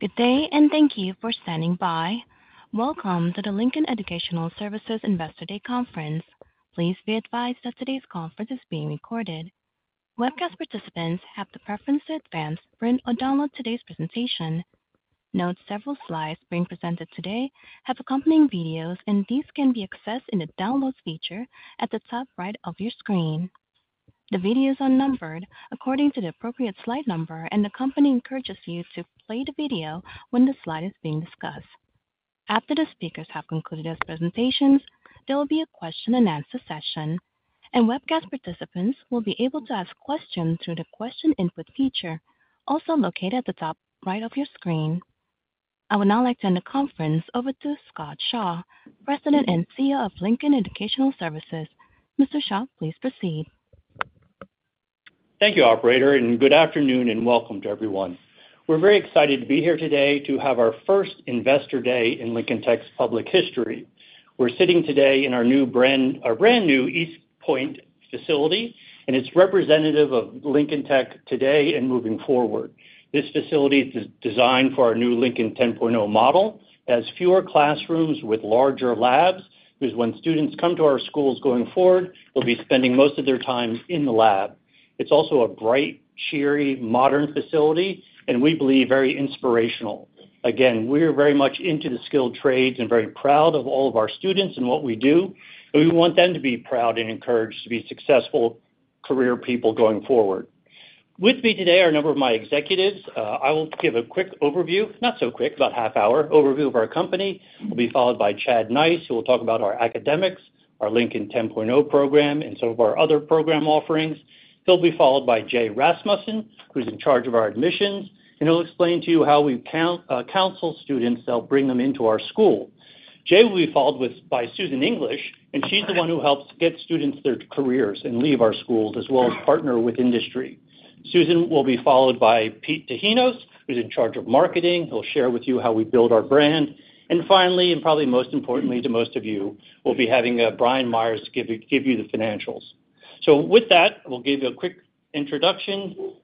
Good day, and thank you for standing by. Welcome to the Lincoln Educational Services Investor Day Conference. Please be advised that today's conference is being recorded. Webcast participants have the preference to advance, print, or download today's presentation. Note, several slides being presented today have accompanying videos, and these can be accessed in the downloads feature at the top right of your screen. The videos are numbered according to the appropriate slide number, and the company encourages you to play the video when the slide is being discussed. After the speakers have concluded those presentations, there will be a question-and-answer session, and webcast participants will be able to ask questions through the question input feature, also located at the top right of your screen. I would now like to turn the conference over to Scott Shaw, President and CEO of Lincoln Educational Services. Mr. Shaw, please proceed. Thank you, operator, and good afternoon and welcome to everyone. We're very excited to be here today to have our first Investor Day in Lincoln Tech's public history. We're sitting today in our brand new East Point facility, and it's representative of Lincoln Tech today and moving forward. This facility is designed for our new Lincoln 10.0 model, has fewer classrooms with larger labs, because when students come to our schools going forward, they'll be spending most of their time in the lab. It's also a bright, cheery, modern facility, and we believe, very inspirational. Again, we're very much into the skilled trades and very proud of all of our students and what we do, and we want them to be proud and encouraged to be successful career people going forward. With me today are a number of my executives. I will give a quick overview, not so quick, about half hour, overview of our company, will be followed by Chad Neiss, who will talk about our academics, our Lincoln 10.0 program, and some of our other program offerings. He'll be followed by Jay Rasmussen, who's in charge of our admissions, and he'll explain to you how we counsel students that'll bring them into our school. Jay will be followed by Susan English, and she's the one who helps get students their careers and leave our schools, as well as partner with industry. Susan will be followed by Peter Tahinos, who's in charge of marketing. He'll share with you how we build our brand. And finally, and probably most importantly to most of you, we'll be having Brian Myers give you the financials. So with that, we'll give you a quick introduction.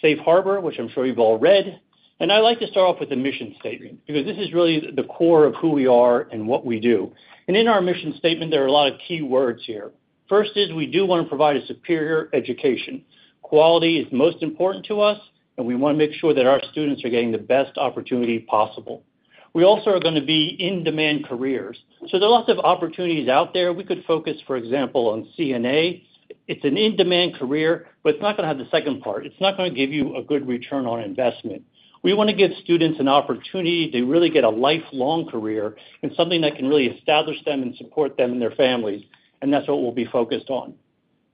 Safe Harbor, which I'm sure you've all read. I'd like to start off with the mission statement, because this is really the core of who we are and what we do. In our mission statement, there are a lot of key words here. First is, we do want to provide a superior education. Quality is most important to us, and we want to make sure that our students are getting the best opportunity possible. We also are gonna be in-demand careers. So there are lots of opportunities out there. We could focus, for example, on CNA. It's an in-demand career, but it's not gonna have the second part. It's not gonna give you a good return on investment. We wanna give students an opportunity to really get a lifelong career and something that can really establish them and support them and their families, and that's what we'll be focused on.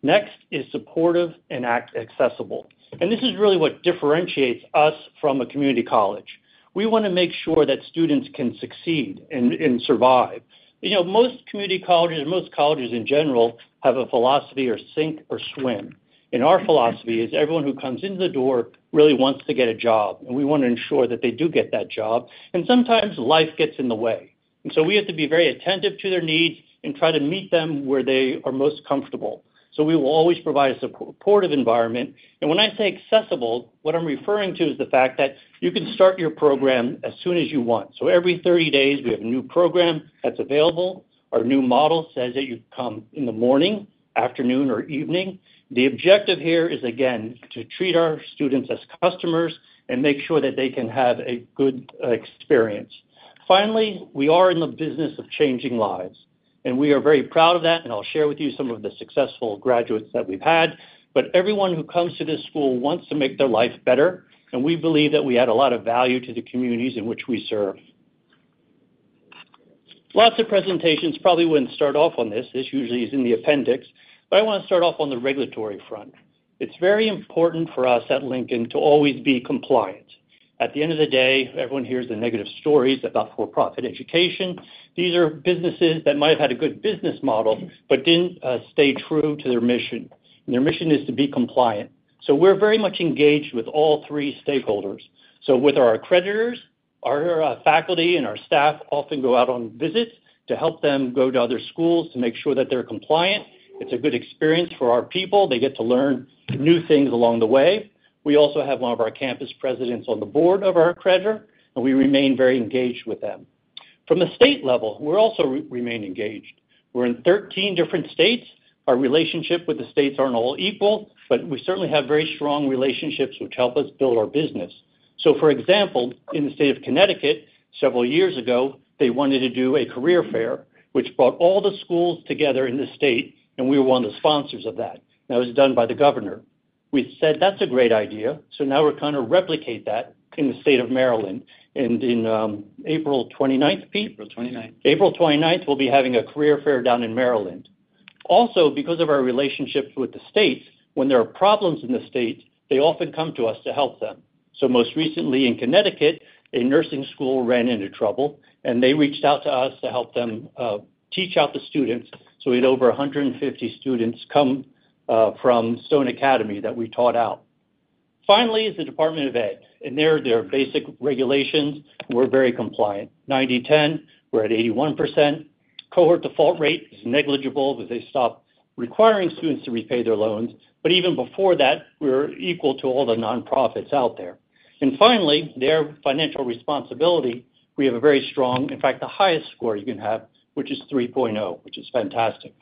Next is supportive and actually accessible. And this is really what differentiates us from a community college. We wanna make sure that students can succeed and survive. You know, most community colleges, and most colleges in general, have a philosophy of sink or swim. And our philosophy is everyone who comes into the door really wants to get a job, and we wanna ensure that they do get that job, and sometimes life gets in the way. And so we have to be very attentive to their needs and try to meet them where they are most comfortable. So we will always provide a supportive environment. When I say accessible, what I'm referring to is the fact that you can start your program as soon as you want. Every 30 days, we have a new program that's available. Our new model says that you come in the morning, afternoon, or evening. The objective here is, again, to treat our students as customers and make sure that they can have a good experience. Finally, we are in the business of changing lives, and we are very proud of that, and I'll share with you some of the successful graduates that we've had. But everyone who comes to this school wants to make their life better, and we believe that we add a lot of value to the communities in which we serve. Lots of presentations probably wouldn't start off on this. This usually is in the appendix, but I want to start off on the regulatory front. It's very important for us at Lincoln to always be compliant. At the end of the day, everyone hears the negative stories about for-profit education. These are businesses that might have had a good business model but didn't stay true to their mission, and their mission is to be compliant. So we're very much engaged with all three stakeholders. So with our accreditors, our faculty and our staff often go out on visits to help them go to other schools to make sure that they're compliant. It's a good experience for our people. They get to learn new things along the way. We also have one of our campus presidents on the board of our accreditor, and we remain very engaged with them. From a state level, we're also remain engaged. We're in 13 different states. Our relationship with the states aren't all equal, but we certainly have very strong relationships, which help us build our business. So for example, in the state of Connecticut, several years ago, they wanted to do a career fair, which brought all the schools together in the state, and we were one of the sponsors of that. That was done by the governor. We said, "That's a great idea." So now we're trying to replicate that in the state of Maryland. And in April 29th, Pete? April 29th April 29th, we'll be having a career fair down in Maryland. Also, because of our relationships with the states, when there are problems in the state, they often come to us to help them. So most recently in Connecticut, a nursing school ran into trouble, and they reached out to us to help them, teach out the students. So we had over 150 students come, from Stone Academy that we taught out. Finally, is the Department of Ed, and their basic regulations were very compliant. 90/10, we're at 81%.... cohort default rate is negligible because they stopped requiring students to repay their loans. But even before that, we were equal to all the nonprofits out there. And finally, their financial responsibility, we have a very strong, in fact, the highest score you can have, which is 3.0, which is fantastic.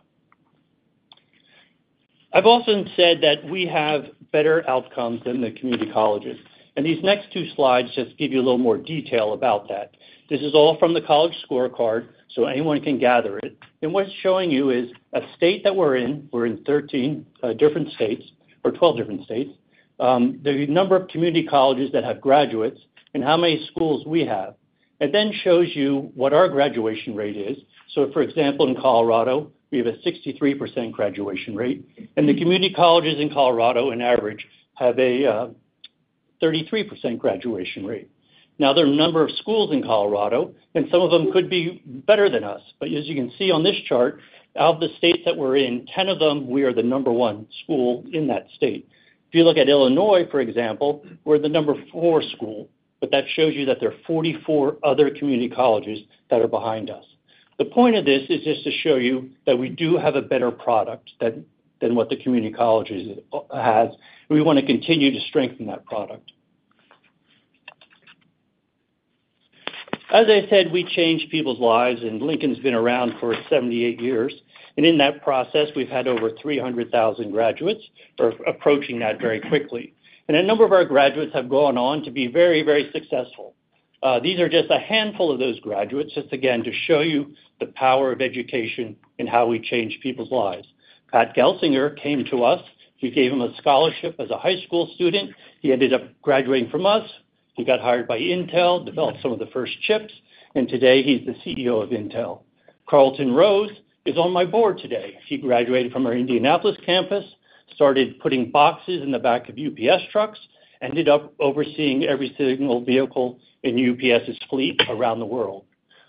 I've also said that we have better outcomes than the community colleges, and these next two slides just give you a little more detail about that. This is all from the College Scorecard, so anyone can gather it. What it's showing you is a state that we're in. We're in 13 different states, or 12 different states. The number of community colleges that have graduates and how many schools we have. It then shows you what our graduation rate is. So, for example, in Colorado, we have a 63% graduation rate, and the community colleges in Colorado, on average, have a 33% graduation rate. Now, there are a number of schools in Colorado, and some of them could be better than us. But as you can see on this chart, out of the states that we're in, 10 of them, we are the number one school in that state. If you look at Illinois, for example, we're the number four school, but that shows you that there are 44 other community colleges that are behind us. The point of this is just to show you that we do have a better product than, than what the community colleges have, and we want to continue to strengthen that product. As I said, we change people's lives, and Lincoln's been around for 78 years, and in that process, we've had over 300,000 graduates. We're approaching that very quickly. And a number of our graduates have gone on to be very, very successful. These are just a handful of those graduates, just again, to show you the power of education and how we change people's lives. Pat Gelsinger came to us. We gave him a scholarship as a high school student. He ended up graduating from us. He got hired by Intel, developed some of the first chips, and today he's the CEO of Intel. Carlton Rose is on my board today. He graduated from our Indianapolis campus, started putting boxes in the back of UPS trucks, ended up overseeing every single vehicle in UPS's fleet around the world.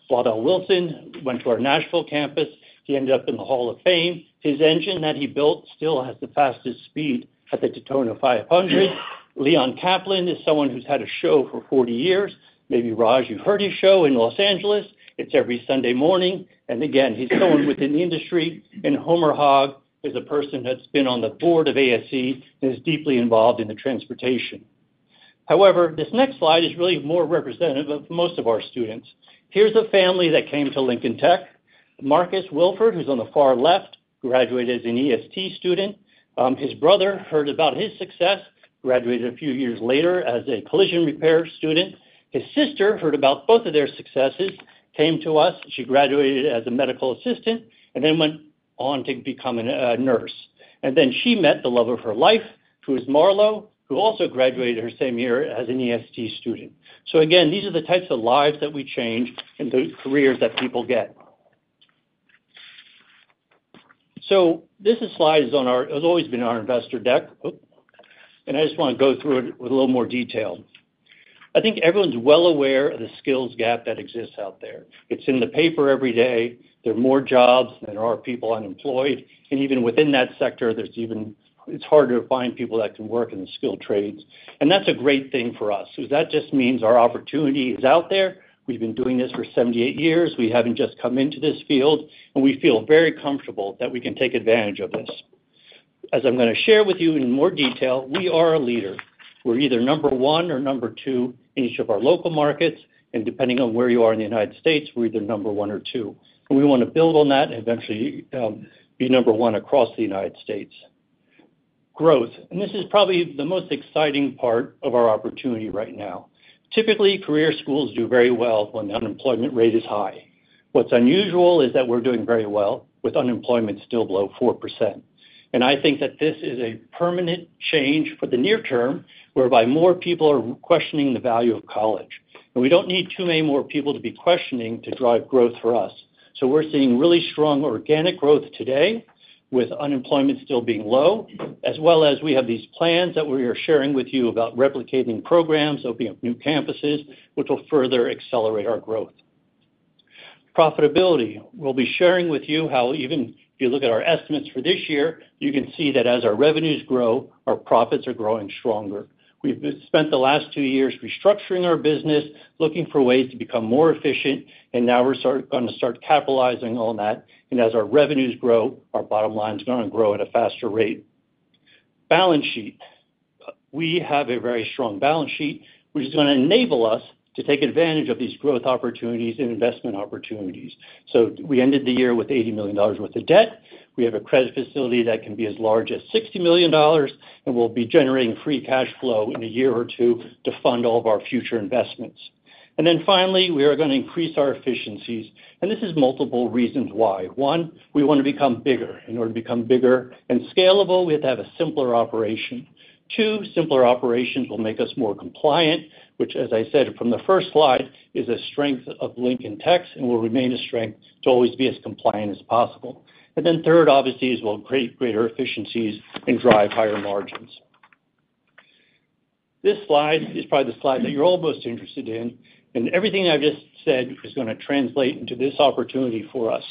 Waddell Wilson went to our Nashville campus. He ended up in the Hall of Fame. His engine that he built still has the fastest speed at the Daytona 500. Leon Kaplan is someone who's had a show for 40 years. Maybe, Raj, you've heard his show in Los Angeles. It's every Sunday morning, and again, he's someone within the industry. And Homer Hogg is a person that's been on the board of ASE, and is deeply involved in the transportation. However, this next slide is really more representative of most of our students. Here's a family that came to Lincoln Tech. Marcus Wilford, who's on the far left, graduated as an EST student. His brother heard about his success, graduated a few years later as a collision repair student. His sister heard about both of their successes, came to us. She graduated as a medical assistant and then went on to become an nurse. And then she met the love of her life, who is Marlo, who also graduated her same year as an EST student. So again, these are the types of lives that we change and the careers that people get. So this slide has always been on our investor deck, and I just want to go through it with a little more detail. I think everyone's well aware of the skills gap that exists out there. It's in the paper every day. There are more jobs than there are people unemployed, and even within that sector, it's harder to find people that can work in the skilled trades. And that's a great thing for us because that just means our opportunity is out there. We've been doing this for 78 years. We haven't just come into this field, and we feel very comfortable that we can take advantage of this. As I'm going to share with you in more detail, we are a leader. We're either number one or number two in each of our local markets, and depending on where you are in the United States, we're either number one or two. We want to build on that and eventually be number one across the United States. Growth, and this is probably the most exciting part of our opportunity right now. Typically, career schools do very well when the unemployment rate is high. What's unusual is that we're doing very well with unemployment still below 4%. I think that this is a permanent change for the near term, whereby more people are questioning the value of college. We don't need too many more people to be questioning to drive growth for us. So we're seeing really strong organic growth today, with unemployment still being low, as well as we have these plans that we are sharing with you about replicating programs, opening up new campuses, which will further accelerate our growth. Profitability. We'll be sharing with you how, even if you look at our estimates for this year, you can see that as our revenues grow, our profits are growing stronger. We've spent the last two years restructuring our business, looking for ways to become more efficient, and now we're gonna start capitalizing on that, and as our revenues grow, our bottom line's gonna grow at a faster rate. Balance sheet. We have a very strong balance sheet, which is going to enable us to take advantage of these growth opportunities and investment opportunities. So we ended the year with $80 million worth of debt. We have a credit facility that can be as large as $60 million, and we'll be generating free cash flow in a year or two to fund all of our future investments. And then finally, we are going to increase our efficiencies, and this is multiple reasons why. One, we want to become bigger. In order to become bigger and scalable, we have to have a simpler operation. Two, simpler operations will make us more compliant, which, as I said from the first slide, is a strength of Lincoln Tech's and will remain a strength to always be as compliant as possible. And then third, obviously, is we'll create greater efficiencies and drive higher margins. This slide is probably the slide that you're all most interested in, and everything I've just said is going to translate into this opportunity for us.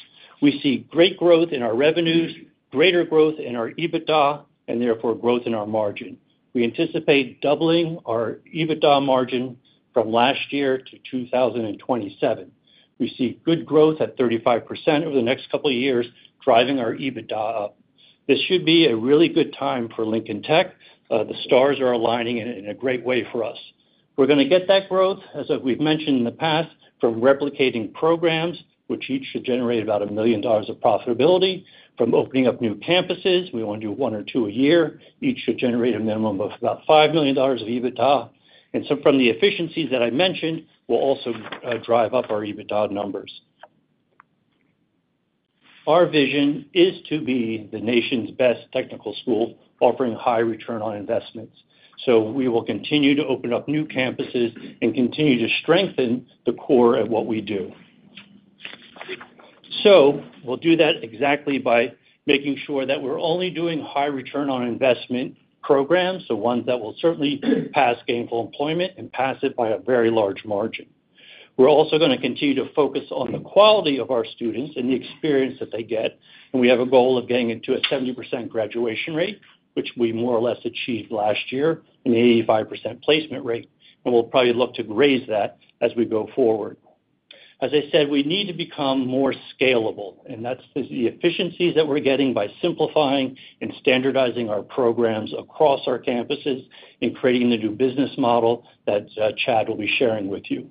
We see great growth in our revenues, greater growth in our EBITDA, and therefore growth in our margin. We anticipate doubling our EBITDA margin from last year to 2027. We see good growth at 35% over the next couple of years, driving our EBITDA up. This should be a really good time for Lincoln Tech. The stars are aligning in, in a great way for us. We're gonna get that growth, as we've mentioned in the past, from replicating programs, which each should generate about $1 million of profitability. From opening up new campuses, we want to do one or two a year. Each should generate a minimum of about $5 million of EBITDA. So from the efficiencies that I mentioned, will also drive up our EBITDA numbers. Our vision is to be the nation's best technical school, offering high return on investments. So we will continue to open up new campuses and continue to strengthen the core of what we do. So we'll do that exactly by making sure that we're only doing high return on investment programs, so ones that will certainly pass Gainful Employment and pass it by a very large margin. We're also gonna continue to focus on the quality of our students and the experience that they get, and we have a goal of getting it to a 70% graduation rate, which we more or less achieved last year, an 85% placement rate, and we'll probably look to raise that as we go forward. As I said, we need to become more scalable, and that's the efficiencies that we're getting by simplifying and standardizing our programs across our campuses and creating the new business model that Chad will be sharing with you.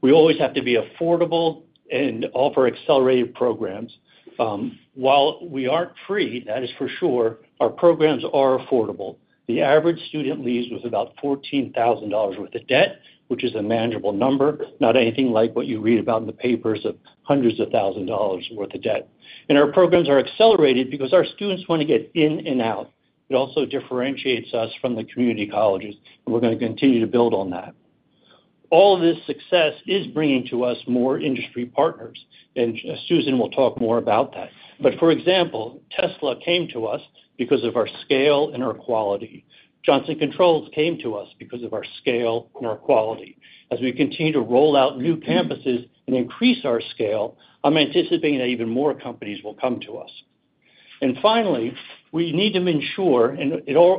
We always have to be affordable and offer accelerated programs. While we aren't free, that is for sure, our programs are affordable. The average student leaves with about $14,000 worth of debt, which is a manageable number, not anything like what you read about in the papers of hundreds of thousands of dollars worth of debt. Our programs are accelerated because our students want to get in and out. It also differentiates us from the community colleges, and we're gonna continue to build on that. All this success is bringing to us more industry partners, and Susan will talk more about that. But for example, Tesla came to us because of our scale and our quality. Johnson Controls came to us because of our scale and our quality. As we continue to roll out new campuses and increase our scale, I'm anticipating that even more companies will come to us. And finally, we need to ensure,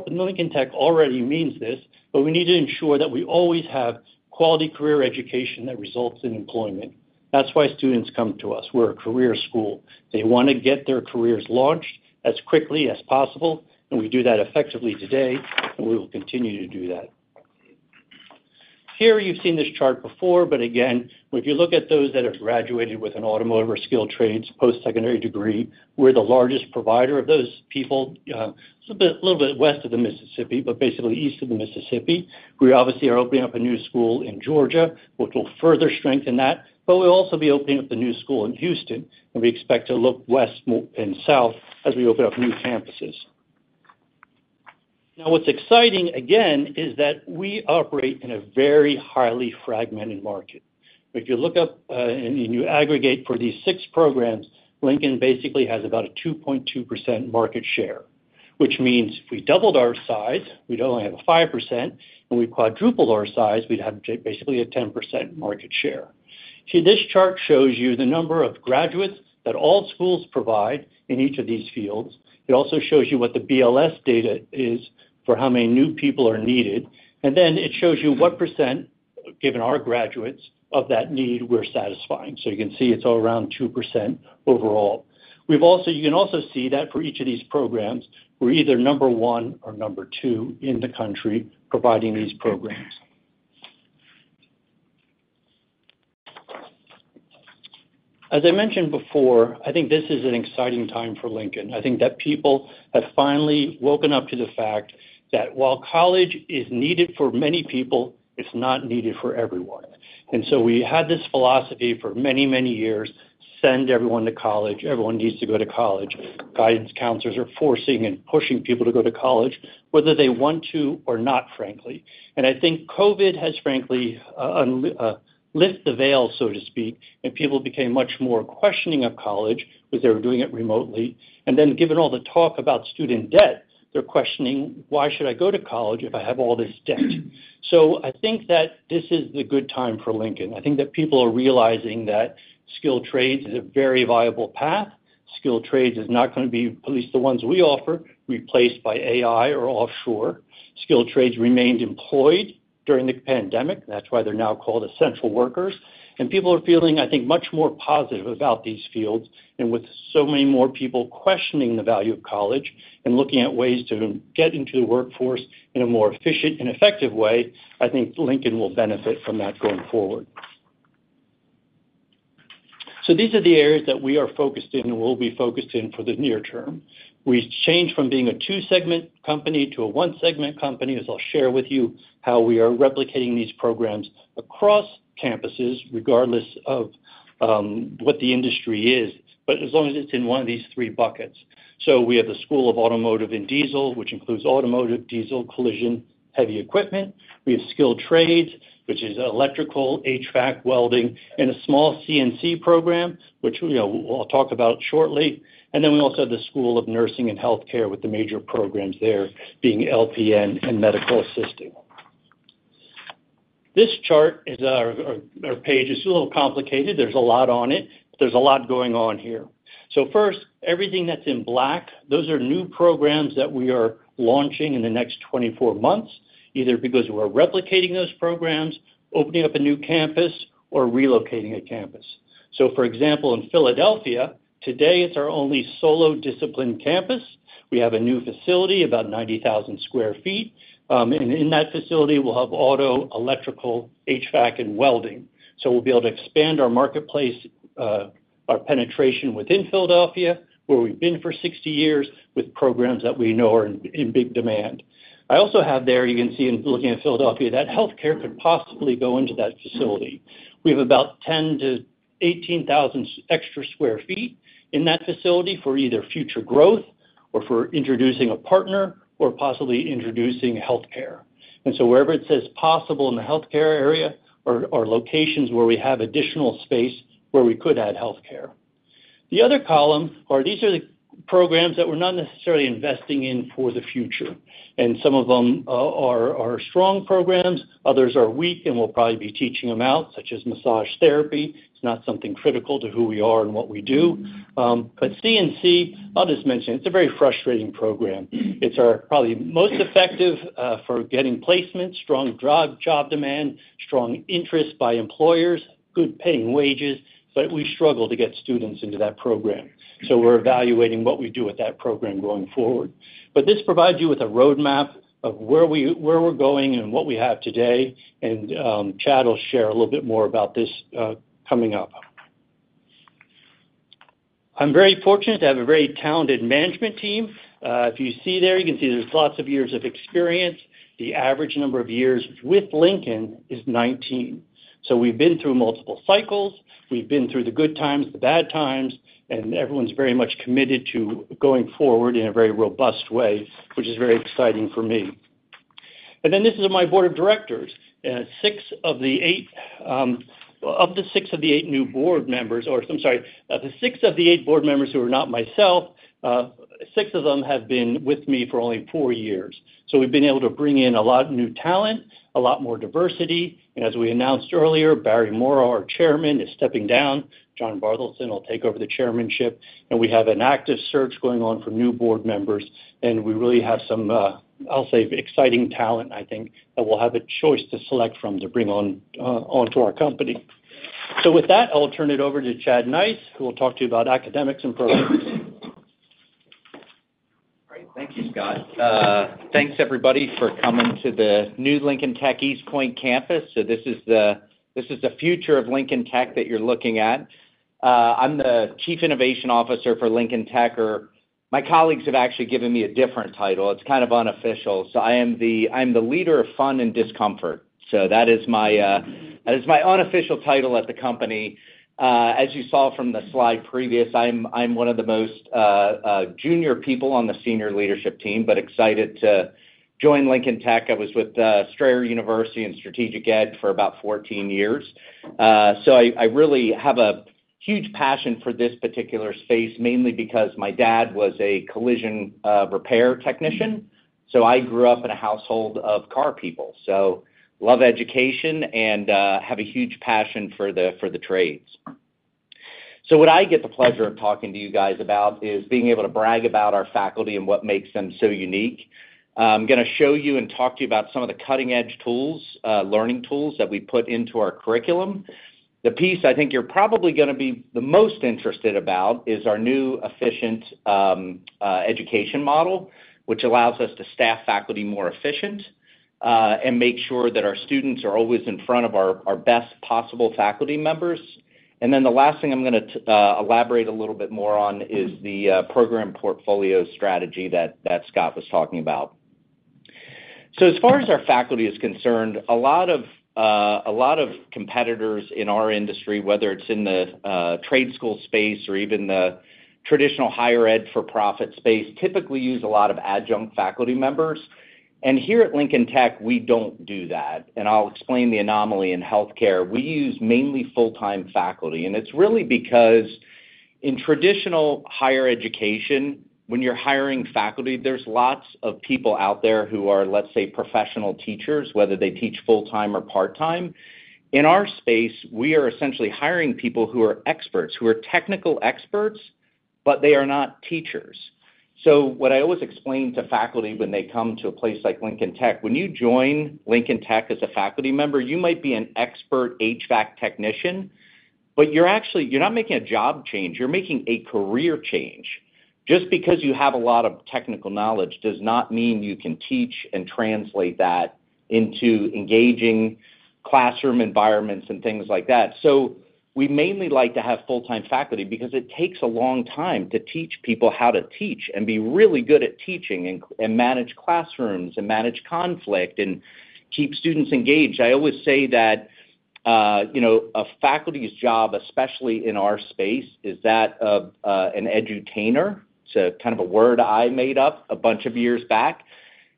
Lincoln Tech already means this, but we need to ensure that we always have quality career education that results in employment. That's why students come to us. We're a career school. They wanna get their careers launched as quickly as possible, and we do that effectively today, and we will continue to do that. Here, you've seen this chart before, but again, if you look at those that have graduated with an automotive or skilled trades post-secondary degree, we're the largest provider of those people, so a bit, little bit west of the Mississippi, but basically east of the Mississippi. We obviously are opening up a new school in Georgia, which will further strengthen that, but we'll also be opening up a new school in Houston, and we expect to look west, more and south as we open up new campuses. Now, what's exciting, again, is that we operate in a very highly fragmented market. If you look up and you aggregate for these six programs, Lincoln basically has about a 2.2% market share, which means if we doubled our size, we'd only have a 5%, and we quadrupled our size, we'd have basically a 10% market share. See, this chart shows you the number of graduates that all schools provide in each of these fields. It also shows you what the BLS data is for how many new people are needed. And then it shows you what percent, given our graduates, of that need we're satisfying. So you can see it's all around 2% overall. We've also. You can also see that for each of these programs, we're either number one or number two in the country providing these programs. As I mentioned before, I think this is an exciting time for Lincoln. I think that people have finally woken up to the fact that while college is needed for many people, it's not needed for everyone. And so we had this philosophy for many, many years, send everyone to college, everyone needs to go to college. Guidance counselors are forcing and pushing people to go to college, whether they want to or not, frankly. And I think COVID has, frankly, lift the veil, so to speak, and people became much more questioning of college because they were doing it remotely. And then given all the talk about student debt, they're questioning, "Why should I go to college if I have all this debt?" So I think that this is the good time for Lincoln. I think that people are realizing that skilled trades is a very viable path. Skilled trades is not gonna be, at least the ones we offer, replaced by AI or offshore. Skilled trades remained employed during the pandemic. That's why they're now called essential workers. People are feeling, I think, much more positive about these fields, and with so many more people questioning the value of college and looking at ways to get into the workforce in a more efficient and effective way, I think Lincoln will benefit from that going forward. These are the areas that we are focused in and will be focused in for the near term. We've changed from being a two-segment company to a one-segment company, as I'll share with you how we are replicating these programs across campuses, regardless of what the industry is, but as long as it's in one of these three buckets. So we have the School of Automotive and Diesel, which includes automotive, diesel, collision, heavy equipment. We have skilled trades, which is electrical, HVAC, welding, and a small CNC program, which, you know, I'll talk about shortly. And then we also have the School of Nursing and Healthcare, with the major programs there being LPN and medical assisting. This chart is our page. It's a little complicated. There's a lot on it. There's a lot going on here. So first, everything that's in black, those are new programs that we are launching in the next 24 months... either because we're replicating those programs, opening up a new campus, or relocating a campus. So for example, in Philadelphia, today, it's our only solo discipline campus. We have a new facility, about 90,000 sq ft. And in that facility, we'll have auto, electrical, HVAC, and welding. So we'll be able to expand our marketplace, our penetration within Philadelphia, where we've been for 60 years, with programs that we know are in big demand. I also have there, you can see in looking at Philadelphia, that healthcare could possibly go into that facility. We have about 10-18,000 extra sq ft in that facility for either future growth or for introducing a partner or possibly introducing healthcare. So wherever it says possible in the healthcare area are locations where we have additional space where we could add healthcare. The other column are these are the programs that we're not necessarily investing in for the future, and some of them are strong programs, others are weak, and we'll probably be teaching them out, such as massage therapy. It's not something critical to who we are and what we do. But CNC, I'll just mention, it's a very frustrating program. It's our probably most effective for getting placements, strong job demand, strong interest by employers, good paying wages, but we struggle to get students into that program. So we're evaluating what we do with that program going forward. But this provides you with a roadmap of where we're going and what we have today, and, Chad will share a little bit more about this, coming up. I'm very fortunate to have a very talented management team. If you see there, you can see there's lots of years of experience. The average number of years with Lincoln is 19. So we've been through multiple cycles. We've been through the good times, the bad times, and everyone's very much committed to going forward in a very robust way, which is very exciting for me. And then this is my board of directors. Six of the eight, of the six of the eight new board members, or I'm sorry, of the six of the eight board members who are not myself, six of them have been with me for only four years. So we've been able to bring in a lot of new talent, a lot more diversity. And as we announced earlier, Barry Morrow, our chairman, is stepping down. John Bartholdson will take over the chairmanship, and we have an active search going on for new board members, and we really have some, I'll say, exciting talent, I think, that we'll have a choice to select from to bring on, on to our company. So with that, I'll turn it over to Chad Neiss, who will talk to you about academics and programs. Great. Thank you, Scott. Thanks, everybody, for coming to the new Lincoln Tech East Point campus. So this is the future of Lincoln Tech that you're looking at. I'm the Chief Innovation Officer for Lincoln Tech, or my colleagues have actually given me a different title. It's kind of unofficial. So I'm the leader of fun and discomfort. So that is my, that is my unofficial title at the company. As you saw from the slide previous, I'm one of the most junior people on the senior leadership team, but excited to join Lincoln Tech. I was with Strayer University and Strategic Ed for about 14 years. So I really have a huge passion for this particular space, mainly because my dad was a collision repair technician, so I grew up in a household of car people. So love education and have a huge passion for the trades. So what I get the pleasure of talking to you guys about is being able to brag about our faculty and what makes them so unique. I'm gonna show you and talk to you about some of the cutting-edge tools, learning tools that we put into our curriculum. The piece I think you're probably gonna be the most interested about is our new efficient education model, which allows us to staff faculty more efficient and make sure that our students are always in front of our best possible faculty members. And then the last thing I'm gonna elaborate a little bit more on is the program portfolio strategy that Scott was talking about. So as far as our faculty is concerned, a lot of a lot of competitors in our industry, whether it's in the trade school space or even the traditional higher ed for-profit space, typically use a lot of adjunct faculty members. And here at Lincoln Tech, we don't do that, and I'll explain the anomaly in healthcare. We use mainly full-time faculty, and it's really because in traditional higher education, when you're hiring faculty, there's lots of people out there who are, let's say, professional teachers, whether they teach full-time or part-time. In our space, we are essentially hiring people who are experts, who are technical experts, but they are not teachers. So what I always explain to faculty when they come to a place like Lincoln Tech, when you join Lincoln Tech as a faculty member, you might be an expert HVAC technician, but you're actually. You're not making a job change, you're making a career change. Just because you have a lot of technical knowledge does not mean you can teach and translate that into engaging classroom environments and things like that. So we mainly like to have full-time faculty because it takes a long time to teach people how to teach and be really good at teaching and manage classrooms, and manage conflict, and keep students engaged. I always say that, you know, a faculty's job, especially in our space, is that of an edutainer. It's a kind of a word I made up a bunch of years back.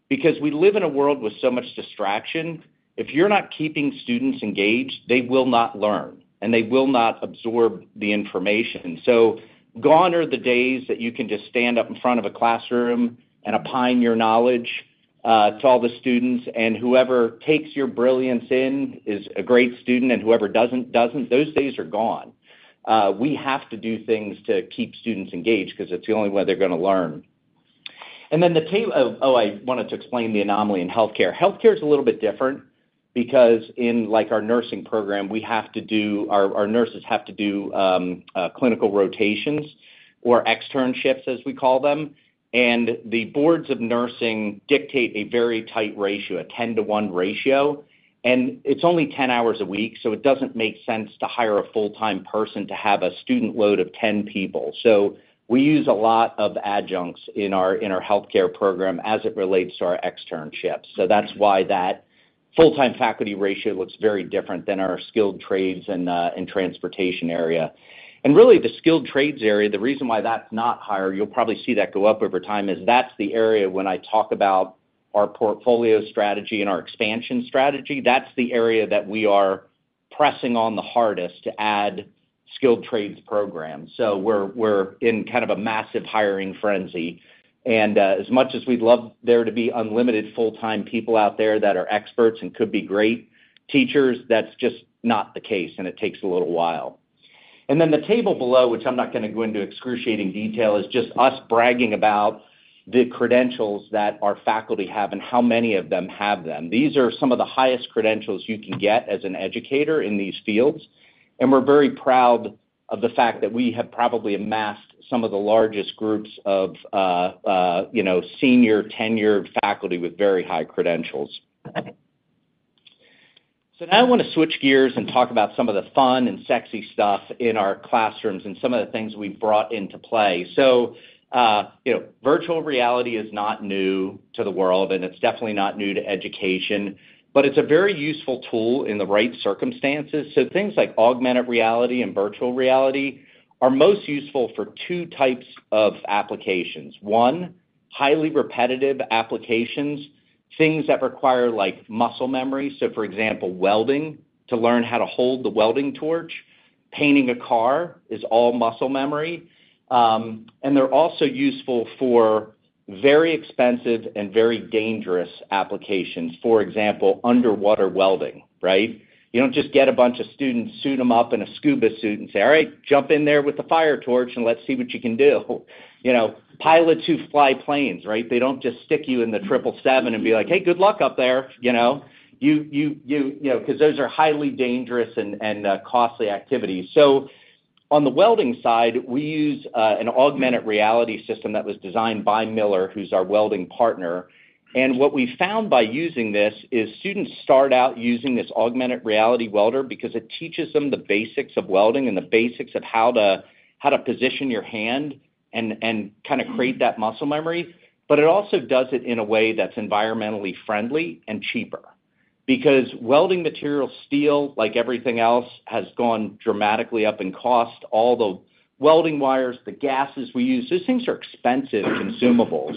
Because we live in a world with so much distraction, if you're not keeping students engaged, they will not learn, and they will not absorb the information. So gone are the days that you can just stand up in front of a classroom and opine your knowledge to all the students, and whoever takes your brilliance in is a great student, and whoever doesn't, doesn't. Those days are gone. We have to do things to keep students engaged because it's the only way they're gonna learn. And then, oh, I wanted to explain the anomaly in healthcare. Healthcare is a little bit different because in, like, our nursing program, we have to do, our nurses have to do clinical rotations or externships, as we call them. And the boards of nursing dictate a very tight ratio, a 10-to-1 ratio, and it's only 10 hours a week, so it doesn't make sense to hire a full-time person to have a student load of 10 people. So we use a lot of adjuncts in our healthcare program as it relates to our externships. So that's why that full-time faculty ratio looks very different than our skilled trades and transportation area. And really, the skilled trades area, the reason why that's not higher, you'll probably see that go up over time, is that's the area when I talk about our portfolio strategy and our expansion strategy, that's the area that we are pressing on the hardest to add skilled trades programs. So we're in kind of a massive hiring frenzy, and as much as we'd love there to be unlimited full-time people out there that are experts and could be great teachers, that's just not the case, and it takes a little while. And then the table below, which I'm not gonna go into excruciating detail, is just us bragging about the credentials that our faculty have and how many of them have them. These are some of the highest credentials you can get as an educator in these fields, and we're very proud of the fact that we have probably amassed some of the largest groups of, you know, senior tenured faculty with very high credentials. So now I wanna switch gears and talk about some of the fun and sexy stuff in our classrooms and some of the things we've brought into play. So, you know, virtual reality is not new to the world, and it's definitely not new to education, but it's a very useful tool in the right circumstances. So things like augmented reality and virtual reality are most useful for two types of applications: one, highly repetitive applications, things that require, like, muscle memory. So, for example, welding, to learn how to hold the welding torch, painting a car is all muscle memory. And they're also useful for very expensive and very dangerous applications. For example, underwater welding, right? You don't just get a bunch of students, suit them up in a scuba suit, and say, "All right, jump in there with the fire torch and let's see what you can do." You know, pilots who fly planes, right? They don't just stick you in the Triple Seven and be like, "Hey, good luck up there," you know. You know, 'cause those are highly dangerous and costly activities. So on the welding side, we use an augmented reality system that was designed by Miller, who's our welding partner. And what we found by using this is students start out using this augmented reality welder because it teaches them the basics of welding and the basics of how to position your hand and kinda create that muscle memory. But it also does it in a way that's environmentally friendly and cheaper. Because welding material, steel, like everything else, has gone dramatically up in cost. All the welding wires, the gases we use, these things are expensive consumables.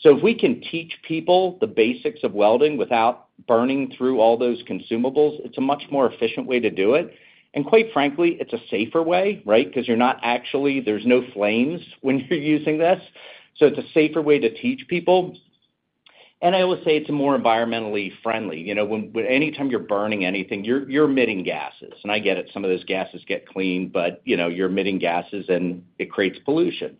So if we can teach people the basics of welding without burning through all those consumables, it's a much more efficient way to do it. And quite frankly, it's a safer way, right? 'Cause you're not actually. There's no flames when you're using this, so it's a safer way to teach people. And I will say it's more environmentally friendly. You know, anytime you're burning anything, you're emitting gases. And I get it, some of those gases get cleaned, but, you know, you're emitting gases, and it creates pollution.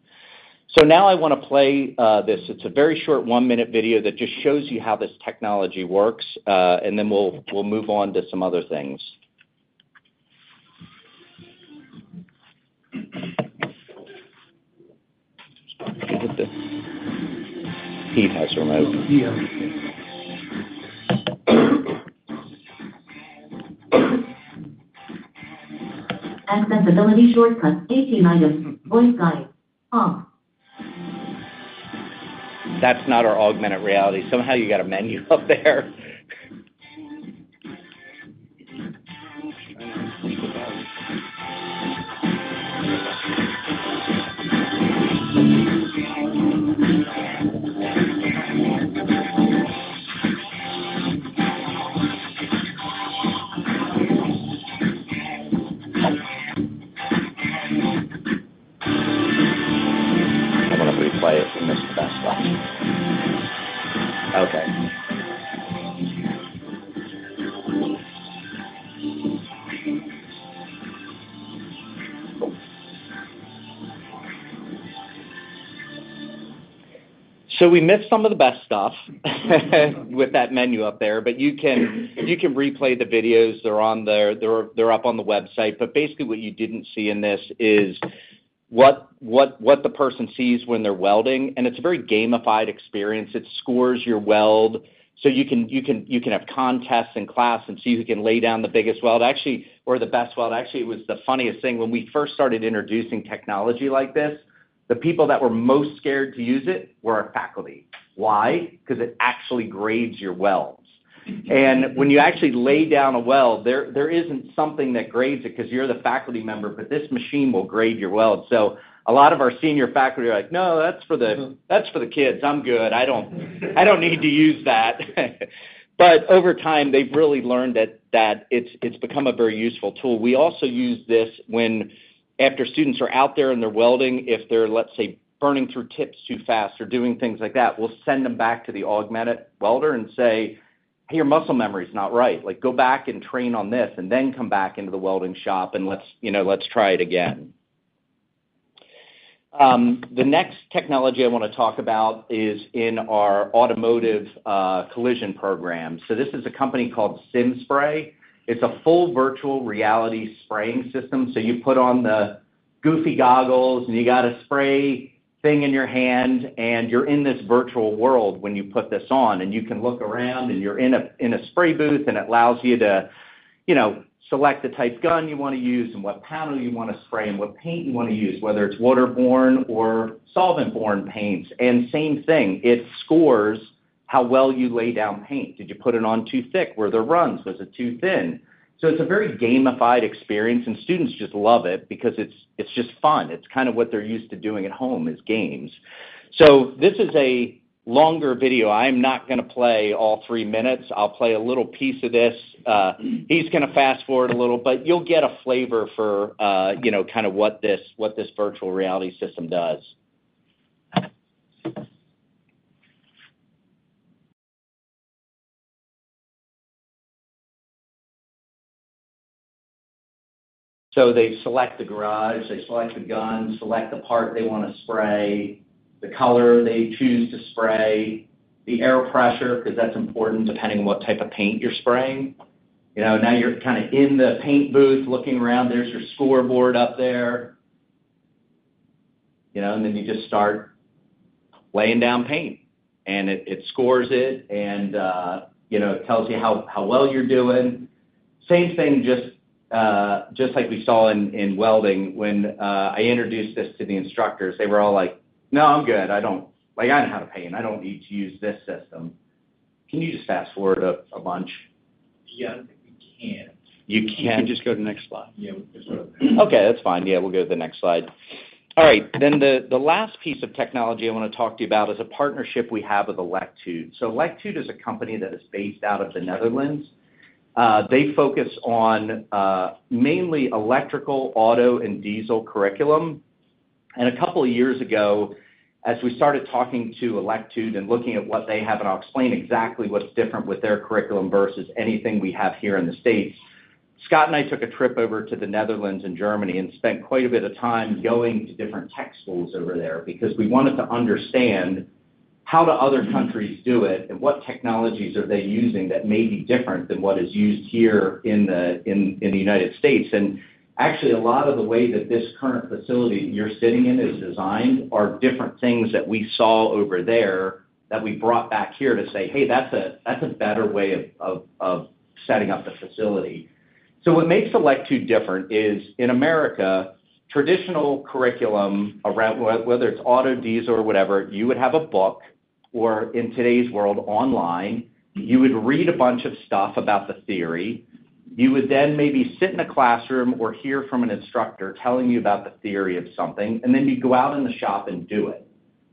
So now I wanna play this. It's a very short one-minute video that just shows you how this technology works, and then we'll move on to some other things. That's not our augmented reality. Somehow you got a menu up there. I'm gonna replay it. We missed the best stuff. Okay. So we missed some of the best stuff with that menu up there, but you can replay the videos. They're on there. They're up on the website. But basically, what you didn't see in this is what the person sees when they're welding, and it's a very gamified experience. It scores your weld, so you can have contests in class and see who can lay down the biggest weld, actually, or the best weld. Actually, it was the funniest thing. When we first started introducing technology like this, the people that were most scared to use it were our faculty. Why? Because it actually grades your welds. And when you actually lay down a weld, there isn't something that grades it 'cause you're the faculty member, but this machine will grade your weld. So a lot of our senior faculty are like: "No, that's for the kids. I'm good. I don't need to use that." But over time, they've really learned that it's become a very useful tool. We also use this when, after students are out there and they're welding, if they're, let's say, burning through tips too fast or doing things like that, we'll send them back to the augmented welder and say, "Hey, your muscle memory is not right. Like, go back and train on this, and then come back into the welding shop, and let's, you know, let's try it again." The next technology I want to talk about is in our automotive collision program. So this is a company called SimSpray. It's a full virtual reality spraying system. So you put on the goofy goggles, and you got a spray thing in your hand, and you're in this virtual world when you put this on. You can look around, and you're in a spray booth, and it allows you to, you know, select the type of gun you want to use and what panel you want to spray, and what paint you want to use, whether it's waterborne or solvent-borne paints. And same thing, it scores how well you lay down paint. Did you put it on too thick? Were there runs? Was it too thin? So it's a very gamified experience, and students just love it because it's just fun. It's kind of what they're used to doing at home, is games. So this is a longer video. I'm not going to play all three minutes. I'll play a little piece of this. He's going to fast forward a little, but you'll get a flavor for, you know, kind of what this virtual reality system does. So they select the garage, they select the gun, select the part they want to spray, the color they choose to spray, the air pressure, because that's important, depending on what type of paint you're spraying. You know, now you're kind of in the paint booth, looking around. There's your scoreboard up there, you know, and then you just start laying down paint, and it scores it, and, you know, it tells you how well you're doing. Same thing, just like we saw in welding, when I introduced this to the instructors, they were all like: "No, I'm good. I don't-- Like, I know how to paint. I don't need to use this system." Can you just fast forward a bunch? Yeah, I don't think we can. You can't? We can just go to the next slide. Yeah, we can just go to the next- Okay, that's fine. Yeah, we'll go to the next slide. All right, then the last piece of technology I want to talk to you about is a partnership we have with Electude. So Electude is a company that is based out of the Netherlands. They focus on mainly electrical, auto, and diesel curriculum. And a couple of years ago, as we started talking to Electude and looking at what they have, and I'll explain exactly what's different with their curriculum versus anything we have here in the States. Scott and I took a trip over to the Netherlands and Germany and spent quite a bit of time going to different tech schools over there because we wanted to understand how do other countries do it and what technologies are they using that may be different than what is used here in the United States. Actually, a lot of the way that this current facility you're sitting in is designed are different things that we saw over there that we brought back here to say, "Hey, that's a better way of setting up the facility." So what makes Electude different is, in America, traditional curriculum around whether it's auto, diesel, or whatever, you would have a book, or in today's world, online, you would read a bunch of stuff about the theory. You would then maybe sit in a classroom or hear from an instructor telling you about the theory of something, and then you'd go out in the shop and do it.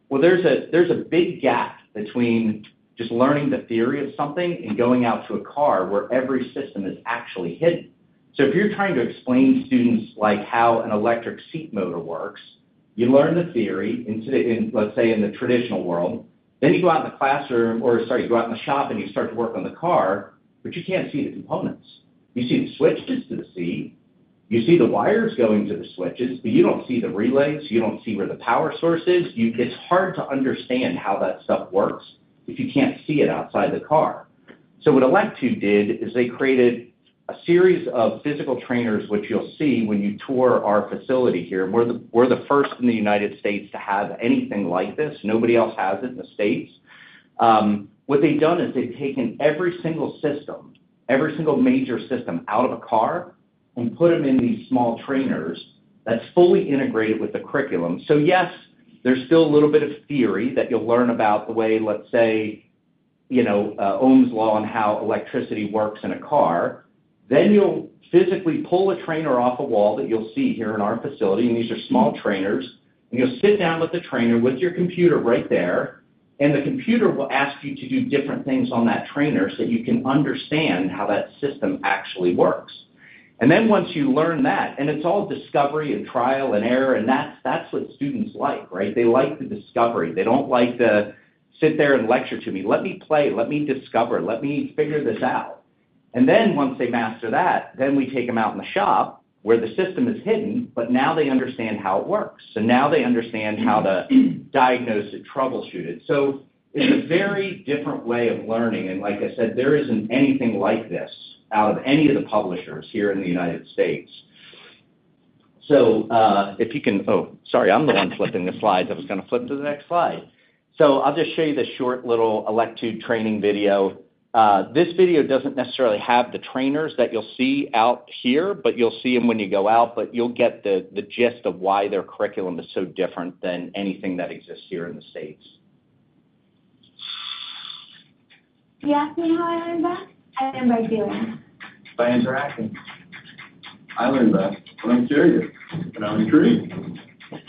Well, there's a big gap between just learning the theory of something and going out to a car where every system is actually hidden. So if you're trying to explain to students like how an electric seat motor works, you learn the theory in, let's say, in the traditional world, then you go out in the classroom or, sorry, you go out in the shop and you start to work on the car, but you can't see the components. You see the switches to the seat, you see the wires going to the switches, but you don't see the relays, you don't see where the power source is. It's hard to understand how that stuff works if you can't see it outside the car. So what Electude did is they created a series of physical trainers, which you'll see when you tour our facility here. We're the first in the United States to have anything like this. Nobody else has it in the States. What they've done is they've taken every single system, every single major system out of a car and put them in these small trainers that's fully integrated with the curriculum. So yes, there's still a little bit of theory that you'll learn about the way, let's say, you know, Ohm's law and how electricity works in a car. Then you'll physically pull a trainer off a wall that you'll see here in our facility, and these are small trainers, and you'll sit down with the trainer, with your computer right there, and the computer will ask you to do different things on that trainer so you can understand how that system actually works. And then once you learn that, and it's all discovery and trial and error, and that's, that's what students like, right? They like the discovery. They don't like the, "Sit there and lecture to me. Let me play, let me discover, let me figure this out." And then once they master that, then we take them out in the shop where the system is hidden, but now they understand how it works, so now they understand how to diagnose it, troubleshoot it. So it's a very different way of learning, and like I said, there isn't anything like this out of any of the publishers here in the United States. So, if you can... Oh, sorry, I'm the one flipping the slides. I was going to flip to the next slide. So I'll just show you this short, little Electude training video. This video doesn't necessarily have the trainers that you'll see out here, but you'll see them when you go out, but you'll get the gist of why their curriculum is so different than anything that exists here in the States. You ask me how I learn best? I learn by doing. By interacting. I learn best when I'm curious. When I'm intrigued.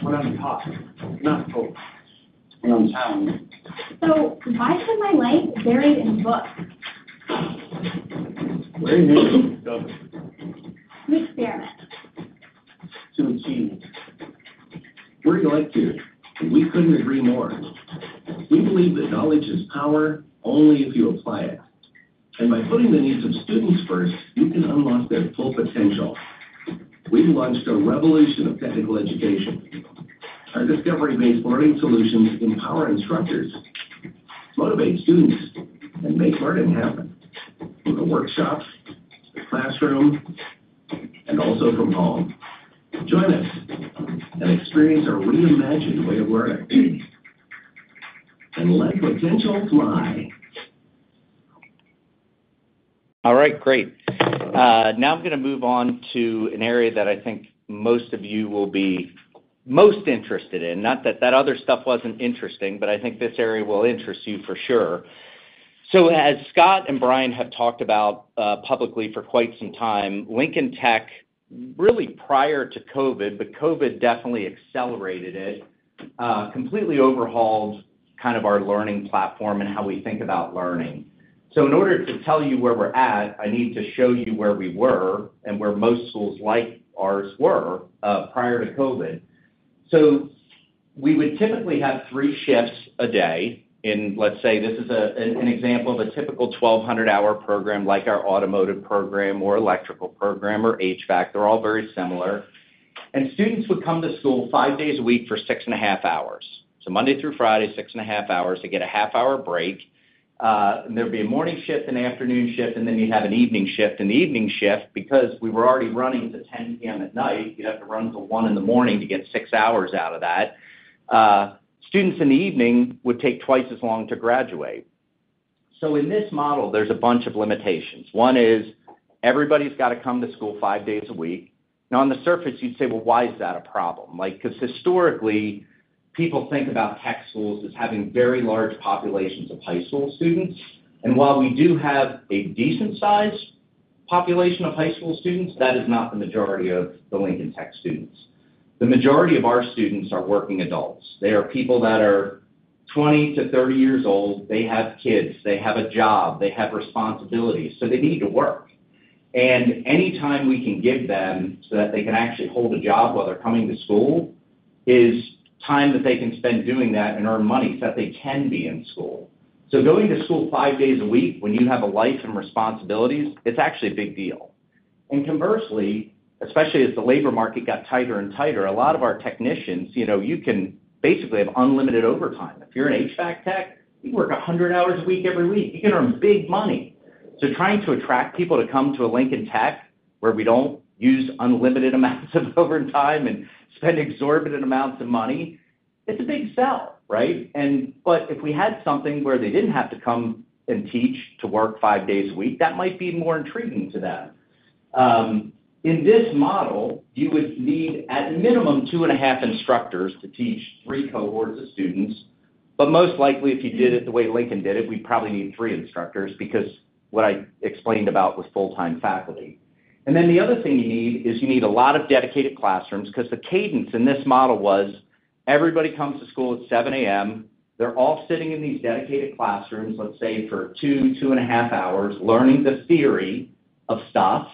When I'm taught, not told. When I'm challenged. So why spend my life buried in books? Learning by doing. We experiment... To achieve.... We're glad to, and we couldn't agree more. We believe that knowledge is power only if you apply it. And by putting the needs of students first, you can unlock their full potential. We've launched a revolution of technical education. Our discovery-based learning solutions empower instructors, motivate students, and make learning happen from the workshops, the classroom, and also from home. Join us and experience our reimagined way of learning, and let potential fly! All right, great. Now I'm gonna move on to an area that I think most of you will be most interested in. Not that that other stuff wasn't interesting, but I think this area will interest you for sure. So as Scott and Brian have talked about, publicly for quite some time, Lincoln Tech, really prior to COVID, but COVID definitely accelerated it, completely overhauled kind of our learning platform and how we think about learning. So in order to tell you where we're at, I need to show you where we were and where most schools like ours were, prior to COVID. So we would typically have three shifts a day in... Let's say this is a, an example of a typical 1,200-hour program, like our automotive program or electrical program or HVAC. They're all very similar. Students would come to school five days a week for 6.5 hours. Monday through Friday, 6.5 hours. They get a 30-minute break, and there'd be a morning shift, an afternoon shift, and then you'd have an evening shift. The evening shift, because we were already running to 10:00 P.M. at night, you'd have to run to 1:00 A.M. to get six hours out of that. Students in the evening would take twice as long to graduate. In this model, there's a bunch of limitations. One is, everybody's got to come to school five days a week. Now, on the surface, you'd say, "Well, why is that a problem?" Like, 'cause historically, people think about tech schools as having very large populations of high school students. And while we do have a decent size population of high school students, that is not the majority of the Lincoln Tech students. The majority of our students are working adults. They are people that are 20 to 30 years old. They have kids, they have a job, they have responsibilities, so they need to work. And any time we can give them, so that they can actually hold a job while they're coming to school, is time that they can spend doing that and earn money, so that they can be in school. So going to school five days a week when you have a life and responsibilities, it's actually a big deal. And conversely, especially as the labor market got tighter and tighter, a lot of our technicians, you know, you can basically have unlimited overtime. If you're an HVAC tech, you work 100 hours a week every week. You can earn big money. So trying to attract people to come to a Lincoln Tech, where we don't use unlimited amounts of overtime and spend exorbitant amounts of money, it's a big sell, right? And but if we had something where they didn't have to come and teach to work five days a week, that might be more intriguing to them. In this model, you would need, at minimum, two and a half instructors to teach three cohorts of students. But most likely, if you did it the way Lincoln did it, we'd probably need three instructors because what I explained about was full-time faculty. And then the other thing you need is you need a lot of dedicated classrooms, 'cause the cadence in this model was everybody comes to school at 7:00 A.M. They're all sitting in these dedicated classrooms, let's say, for two to two point five hours, learning the theory of stuff,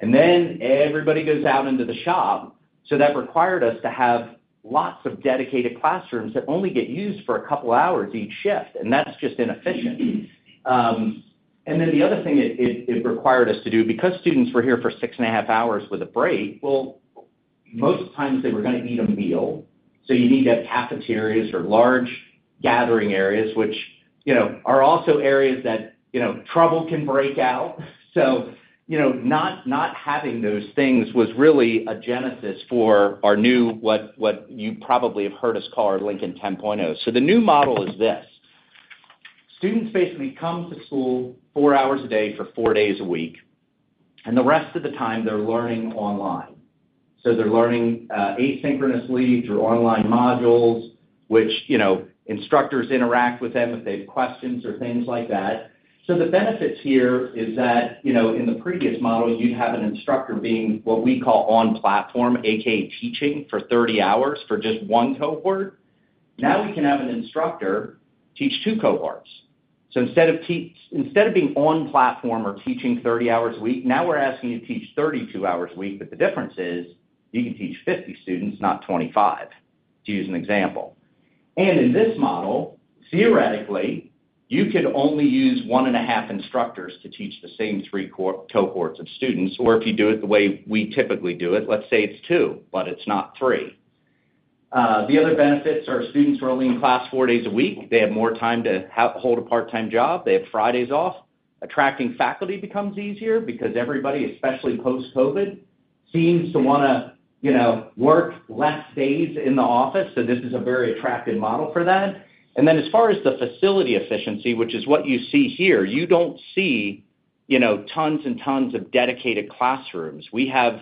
and then everybody goes out into the shop. So that required us to have lots of dedicated classrooms that only get used for a couple of hours each shift, and that's just inefficient. And then the other thing it required us to do, because students were here for 6.5 hours with a break, well, most times they were gonna eat a meal, so you need to have cafeterias or large gathering areas, which, you know, are also areas that, you know, trouble can break out. So, you know, not having those things was really a genesis for our new, what you probably have heard us call our Lincoln 10.0. So the new model is this: students basically come to school four hours a day for four days a week, and the rest of the time they're learning online. So they're learning asynchronously through online modules, which, you know, instructors interact with them if they have questions or things like that. So the benefits here is that, you know, in the previous model, you'd have an instructor being, what we call on platform, AKA, teaching for 30 hours for just 1 cohort. Now, we can have an instructor teach two cohorts. So instead of being on platform or teaching 30 hours a week, now we're asking you to teach 32 hours a week, but the difference is you can teach 50 students, not 25, to use an example. In this model, theoretically, you could only use 1.5 instructors to teach the same three cohorts of students, or if you do it the way we typically do it, let's say it'stwo, but it's not three. The other benefits are students are only in class four days a week. They have more time to hold a part-time job. They have Fridays off. Attracting faculty becomes easier because everybody, especially post-COVID, seems to wanna, you know, work less days in the office. So this is a very attractive model for that. And then, as far as the facility efficiency, which is what you see here, you don't see, you know, tons and tons of dedicated classrooms. We have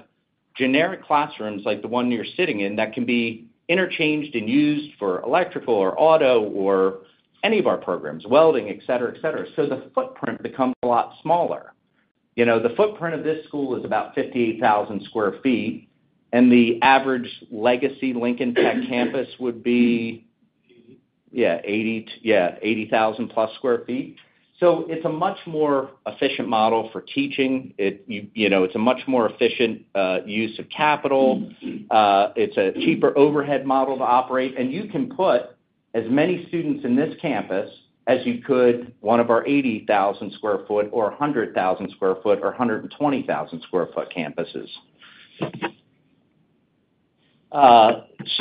generic classrooms, like the one you're sitting in, that can be interchanged and used for electrical or auto or any of our programs, welding, et cetera, et cetera. So the footprint becomes a lot smaller. You know, the footprint of this school is about 58,000 sq ft, and the average legacy Lincoln Tech campus would be 80,000+ sq ft. So it's a much more efficient model for teaching. You know, it's a much more efficient use of capital. It's a cheaper overhead model to operate, and you can put as many students in this campus as you could, one of our 80,000 sq ft or a 100,000 sq ft or 120,000 sq ft campuses.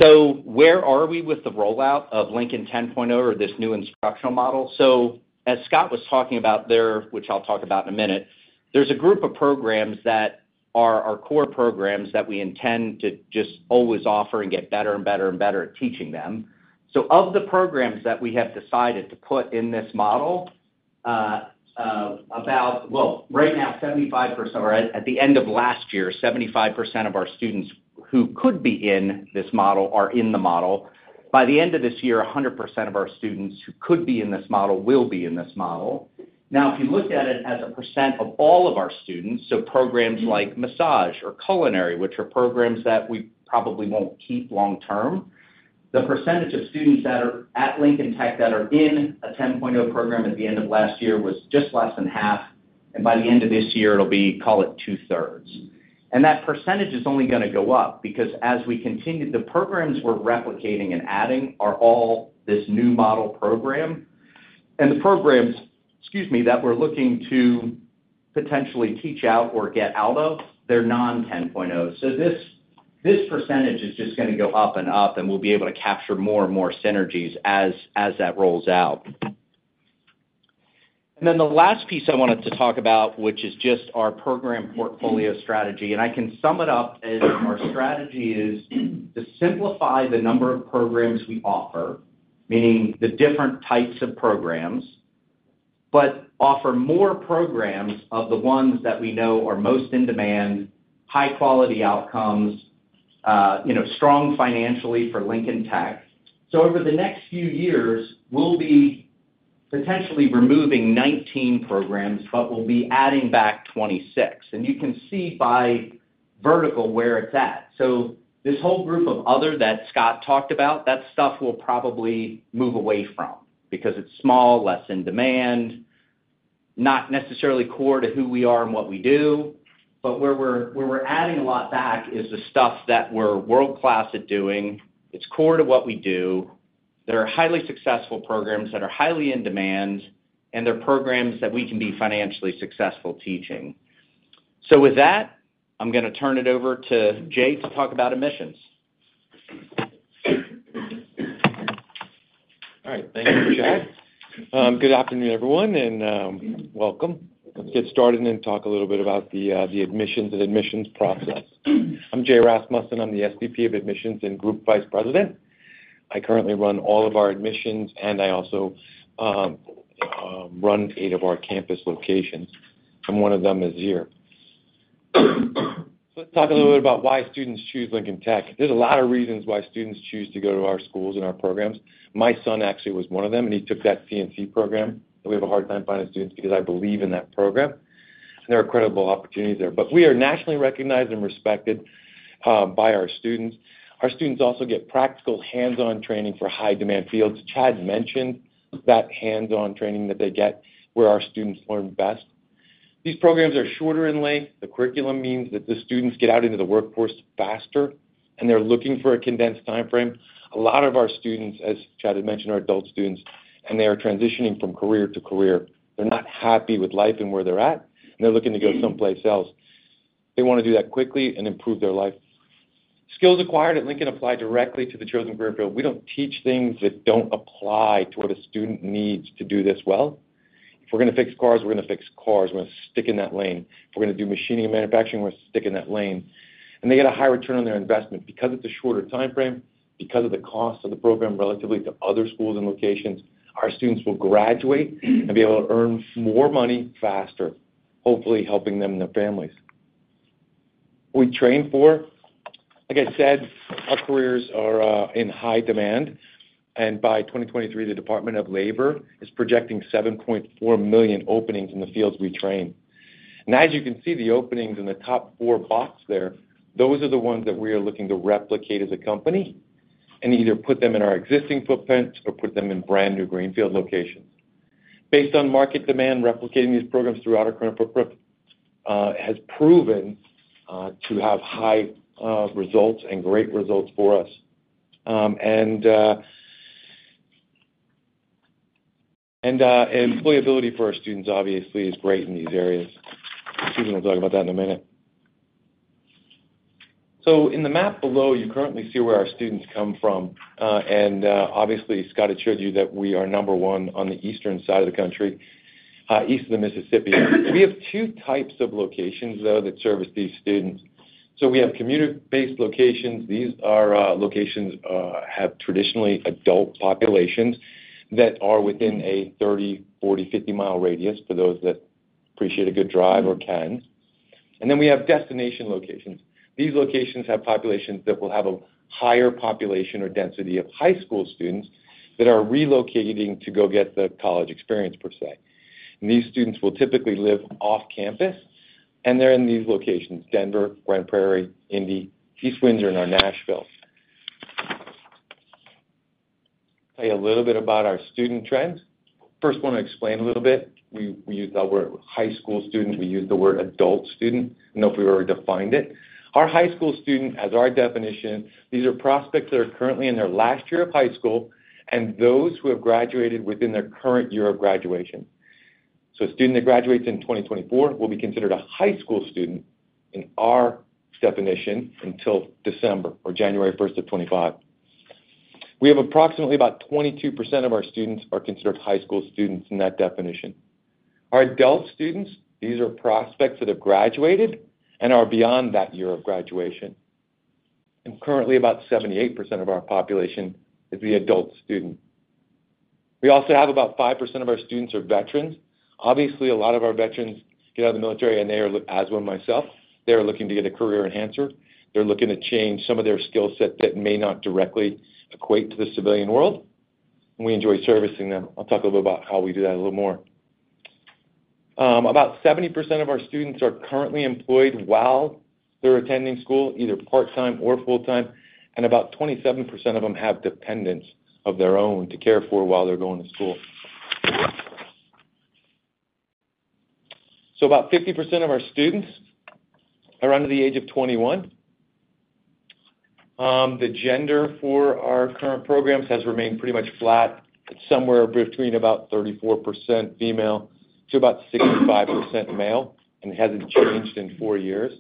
So where are we with the rollout of Lincoln 10.0 or this new instructional model? So, as Scott was talking about there, which I'll talk about in a minute, there's a group of programs that are our core programs that we intend to just always offer and get better and better and better at teaching them. So of the programs that we have decided to put in this model, well, right now, 75%—or at the end of last year, 75% of our students who could be in this model are in the model. By the end of this year, 100% of our students who could be in this model will be in this model. Now, if you looked at it as a percent of all of our students, so programs like massage or culinary, which are programs that we probably won't keep long term, the percentage of students that are at Lincoln Tech that are in a 10.0 program at the end of last year was just less than half, and by the end of this year, it'll be, call it two-thirds. And that percentage is only gonna go up, because as we continue, the programs we're replicating and adding are all this new model program. And the programs, excuse me, that we're looking to potentially teach out or get out of, they're non-10.0. So this, this percentage is just gonna go up and up, and we'll be able to capture more and more synergies as, as that rolls out. And then the last piece I wanted to talk about, which is just our program portfolio strategy, and I can sum it up as our strategy is to simplify the number of programs we offer, meaning the different types of programs, but offer more programs of the ones that we know are most in demand, high quality outcomes, you know, strong financially for Lincoln Tech. So over the next few years, we'll be potentially removing 19 programs, but we'll be adding back 26. And you can see by vertical where it's at. So this whole group of other that Scott talked about, that stuff we'll probably move away from because it's small, less in demand, not necessarily core to who we are and what we do. But where we're adding a lot back is the stuff that we're world-class at doing, it's core to what we do, that are highly successful programs, that are highly in demand, and they're programs that we can be financially successful teaching. So with that, I'm gonna turn it over to Jay to talk about admissions. All right. Thank you, Chad. Good afternoon, everyone, and welcome. Let's get started and talk a little bit about the admissions and admissions process. I'm Jay Rasmussen, I'm the SVP of Admissions and Group Vice President. I currently run all of our admissions, and I also run eight of our campus locations, and one of them is here. Let's talk a little bit about why students choose Lincoln Tech. There's a lot of reasons why students choose to go to our schools and our programs. My son actually was one of them, and he took that CNC program, and we have a hard time finding students because I believe in that program. And there are incredible opportunities there. But we are nationally recognized and respected by our students. Our students also get practical hands-on training for high-demand fields. Chad mentioned that hands-on training that they get, where our students learn best. These programs are shorter in length. The curriculum means that the students get out into the workforce faster, and they're looking for a condensed timeframe. A lot of our students, as Chad had mentioned, are adult students, and they are transitioning from career to career. They're not happy with life and where they're at, and they're looking to go someplace else. They wanna do that quickly and improve their life. Skills acquired at Lincoln apply directly to the chosen career field. We don't teach things that don't apply to what a student needs to do this well. If we're gonna fix cars, we're gonna fix cars. We're gonna stick in that lane. If we're gonna do machining and manufacturing, we're gonna stick in that lane. They get a high return on their investment because of the shorter timeframe, because of the cost of the program relatively to other schools and locations, our students will graduate and be able to earn more money faster, hopefully helping them and their families. We train for, like I said, our careers are in high demand, and by 2023, the Department of Labor is projecting 7.4 million openings in the fields we train. As you can see, the openings in the top four box there, those are the ones that we are looking to replicate as a company and either put them in our existing footprint or put them in brand-new greenfield locations. Based on market demand, replicating these programs throughout our current footprint has proven to have high results and great results for us. Employability for our students obviously is great in these areas. Susan will talk about that in a minute. So in the map below, you currently see where our students come from, and obviously, Scott had showed you that we are number one on the eastern side of the country, east of the Mississippi. We have two types of locations, though, that service these students. So we have commuter-based locations. These are locations that have traditionally adult populations that are within a 30, 40, 50-mile radius for those that appreciate a good drive or can. And then we have destination locations. These locations have populations that will have a higher population or density of high school students that are relocating to go get the college experience per se. These students will typically live off campus... and they're in these locations: Denver, Grand Prairie, Indy, East Windsor, and our Nashville. Tell you a little bit about our student trends. First, want to explain a little bit. We use the word high school student. We use the word adult student. I don't know if we've ever defined it. Our high school student, as our definition, these are prospects that are currently in their last year of high school and those who have graduated within their current year of graduation. So a student that graduates in 2024 will be considered a high school student in our definition, until December or January first of 2025. We have approximately about 22% of our students are considered high school students in that definition. Our adult students, these are prospects that have graduated and are beyond that year of graduation, and currently, about 78% of our population is the adult student. We also have about 5% of our students are veterans. Obviously, a lot of our veterans get out of the military, and they are, as one myself, they are looking to get a career enhancer. They're looking to change some of their skill set that may not directly equate to the civilian world. We enjoy servicing them. I'll talk a little bit about how we do that a little more. About 70% of our students are currently employed while they're attending school, either part-time or full-time, and about 27% of them have dependents of their own to care for while they're going to school. So about 50% of our students are under the age of 21. The gender for our current programs has remained pretty much flat. It's somewhere between about 34% female to about 65% male, and it hasn't changed in four years.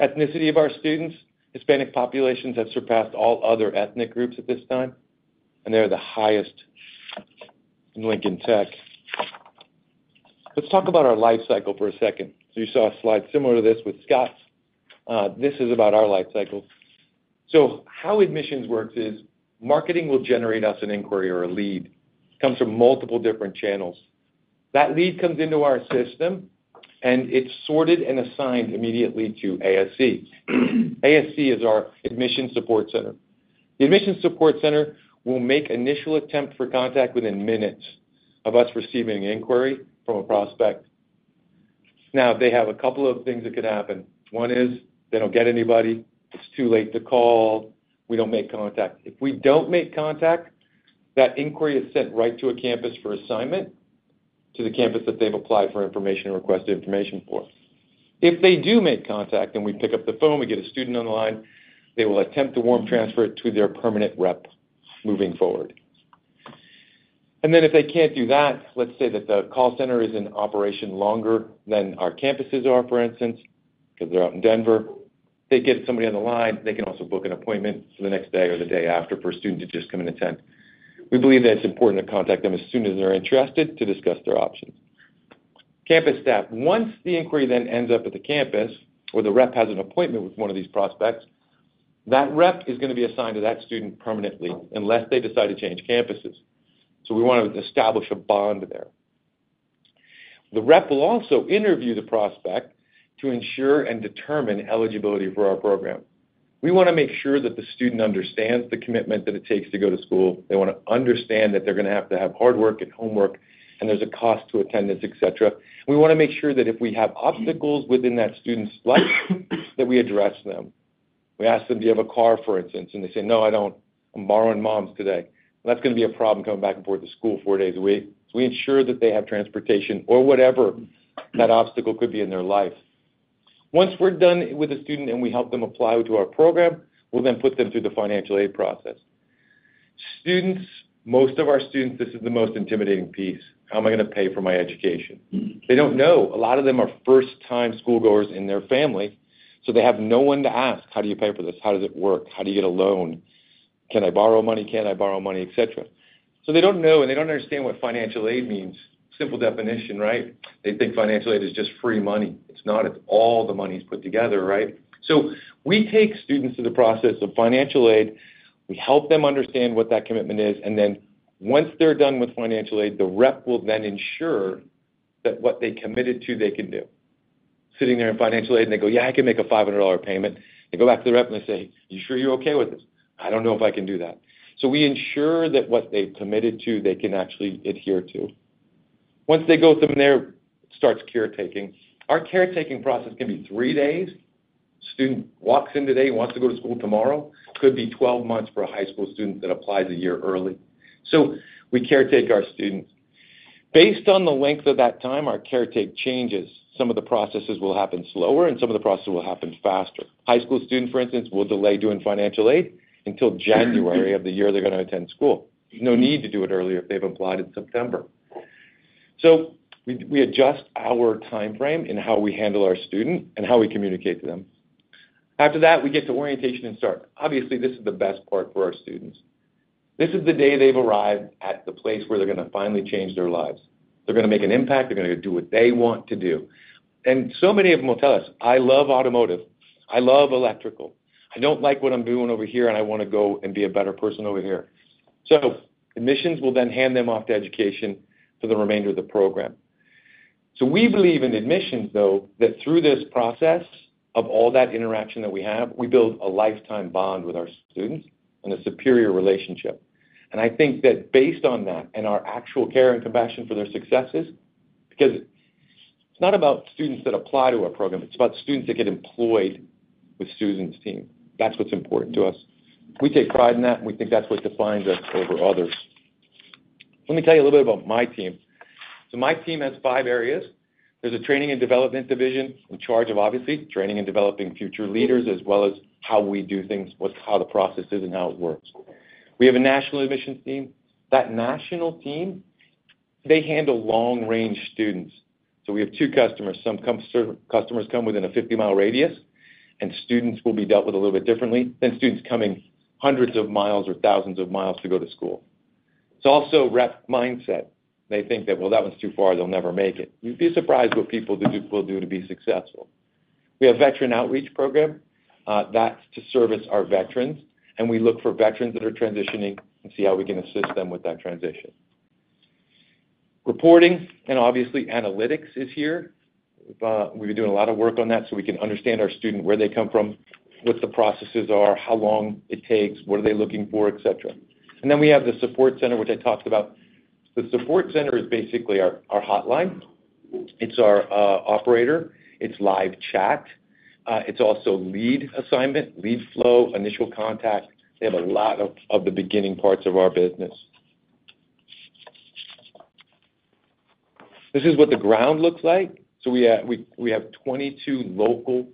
Ethnicity of our students, Hispanic populations have surpassed all other ethnic groups at this time, and they are the highest in Lincoln Tech. Let's talk about our life cycle for a second. So you saw a slide similar to this with Scott's. This is about our life cycle. So how admissions works is, marketing will generate us an inquiry or a lead. Comes from multiple different channels. That lead comes into our system, and it's sorted and assigned immediately to ASC. ASC is our Admission Support Center. The Admission Support Center will make initial attempt for contact within minutes of us receiving an inquiry from a prospect. Now, they have a couple of things that could happen. One is they don't get anybody. It's too late to call. We don't make contact. If we don't make contact, that inquiry is sent right to a campus for assignment, to the campus that they've applied for information and requested information for. If they do make contact, and we pick up the phone, we get a student on the line, they will attempt to warm transfer it to their permanent rep moving forward. And then if they can't do that, let's say that the call center is in operation longer than our campuses are, for instance, because they're out in Denver, they get somebody on the line, they can also book an appointment for the next day or the day after for a student to just come and attend. We believe that it's important to contact them as soon as they're interested to discuss their options. Campus staff, once the inquiry then ends up at the campus, or the rep has an appointment with one of these prospects, that rep is gonna be assigned to that student permanently unless they decide to change campuses. So we want to establish a bond there. The rep will also interview the prospect to ensure and determine eligibility for our program. We wanna make sure that the student understands the commitment that it takes to go to school. They wanna understand that they're gonna have to have hard work and homework, and there's a cost to attendance, et cetera. We wanna make sure that if we have obstacles within that student's life, that we address them. We ask them, "Do you have a car," for instance, and they say, "No, I don't. I'm borrowing Mom's today." That's gonna be a problem coming back and forth to school four days a week. So we ensure that they have transportation or whatever that obstacle could be in their life. Once we're done with a student and we help them apply to our program, we'll then put them through the financial aid process. Students, most of our students, this is the most intimidating piece. How am I gonna pay for my education? They don't know. A lot of them are first-time schoolgoers in their family, so they have no one to ask, "How do you pay for this? How does it work? How do you get a loan? Can I borrow money? Can't I borrow money?" Et cetera. So they don't know, and they don't understand what financial aid means. Simple definition, right? They think financial aid is just free money. It's not. It's all the money put together, right? So we take students through the process of financial aid. We help them understand what that commitment is, and then once they're done with financial aid, the rep will then ensure that what they committed to, they can do. Sitting there in financial aid, and they go, "Yeah, I can make a $500 payment." They go back to the rep and they say, "You sure you're okay with this? I don't know if I can do that." So we ensure that what they've committed to, they can actually adhere to. Once they go from there, starts caretaking. Our caretaking process can be three days. Student walks in today, wants to go to school tomorrow, could be 12 months for a high school student that applies a year early. So we caretake our students. Based on the length of that time, our caretaking changes. Some of the processes will happen slower, and some of the processes will happen faster. High school students, for instance, will delay doing financial aid until January of the year they're gonna attend school. No need to do it earlier if they've applied in September. So we, we adjust our time frame in how we handle our student and how we communicate to them. After that, we get to orientation and start. Obviously, this is the best part for our students. This is the day they've arrived at the place where they're gonna finally change their lives. They're gonna make an impact. They're gonna do what they want to do. And so many of them will tell us, "I love automotive. I love electrical. I don't like what I'm doing over here, and I wanna go and be a better person over here." So admissions will then hand them off to education for the remainder of the program. So we believe in admissions, though, that through this process of all that interaction that we have, we build a lifetime bond with our students and a superior relationship. And I think that based on that, and our actual care and compassion for their successes, because it's not about students that apply to our program, it's about students that get employed with Susan's team. That's what's important to us. We take pride in that, and we think that's what defines us over others. Let me tell you a little bit about my team. So my team has five areas. There's a training and development division in charge of, obviously, training and developing future leaders, as well as how we do things, what's, how the process is, and how it works. We have a national admissions team. That national team, they handle long-range students. So we have two customers. Some come, certain customers come within a 50-mile radius, and students will be dealt with a little bit differently than students coming hundreds of miles or thousands of miles to go to school. It's also rep mindset. They think that, "Well, that one's too far, they'll never make it." You'd be surprised what people do, will do to be successful. We have veteran outreach program, that's to service our veterans, and we look for veterans that are transitioning and see how we can assist them with that transition. Reporting and, obviously, analytics is here. We've been doing a lot of work on that, so we can understand our student, where they come from, what the processes are, how long it takes, what are they looking for, et cetera. And then we have the support center, which I talked about. The support center is basically our hotline. It's our operator. It's live chat. It's also lead assignment, lead flow, initial contact. They have a lot of the beginning parts of our business. This is what the ground looks like. So we have 22 local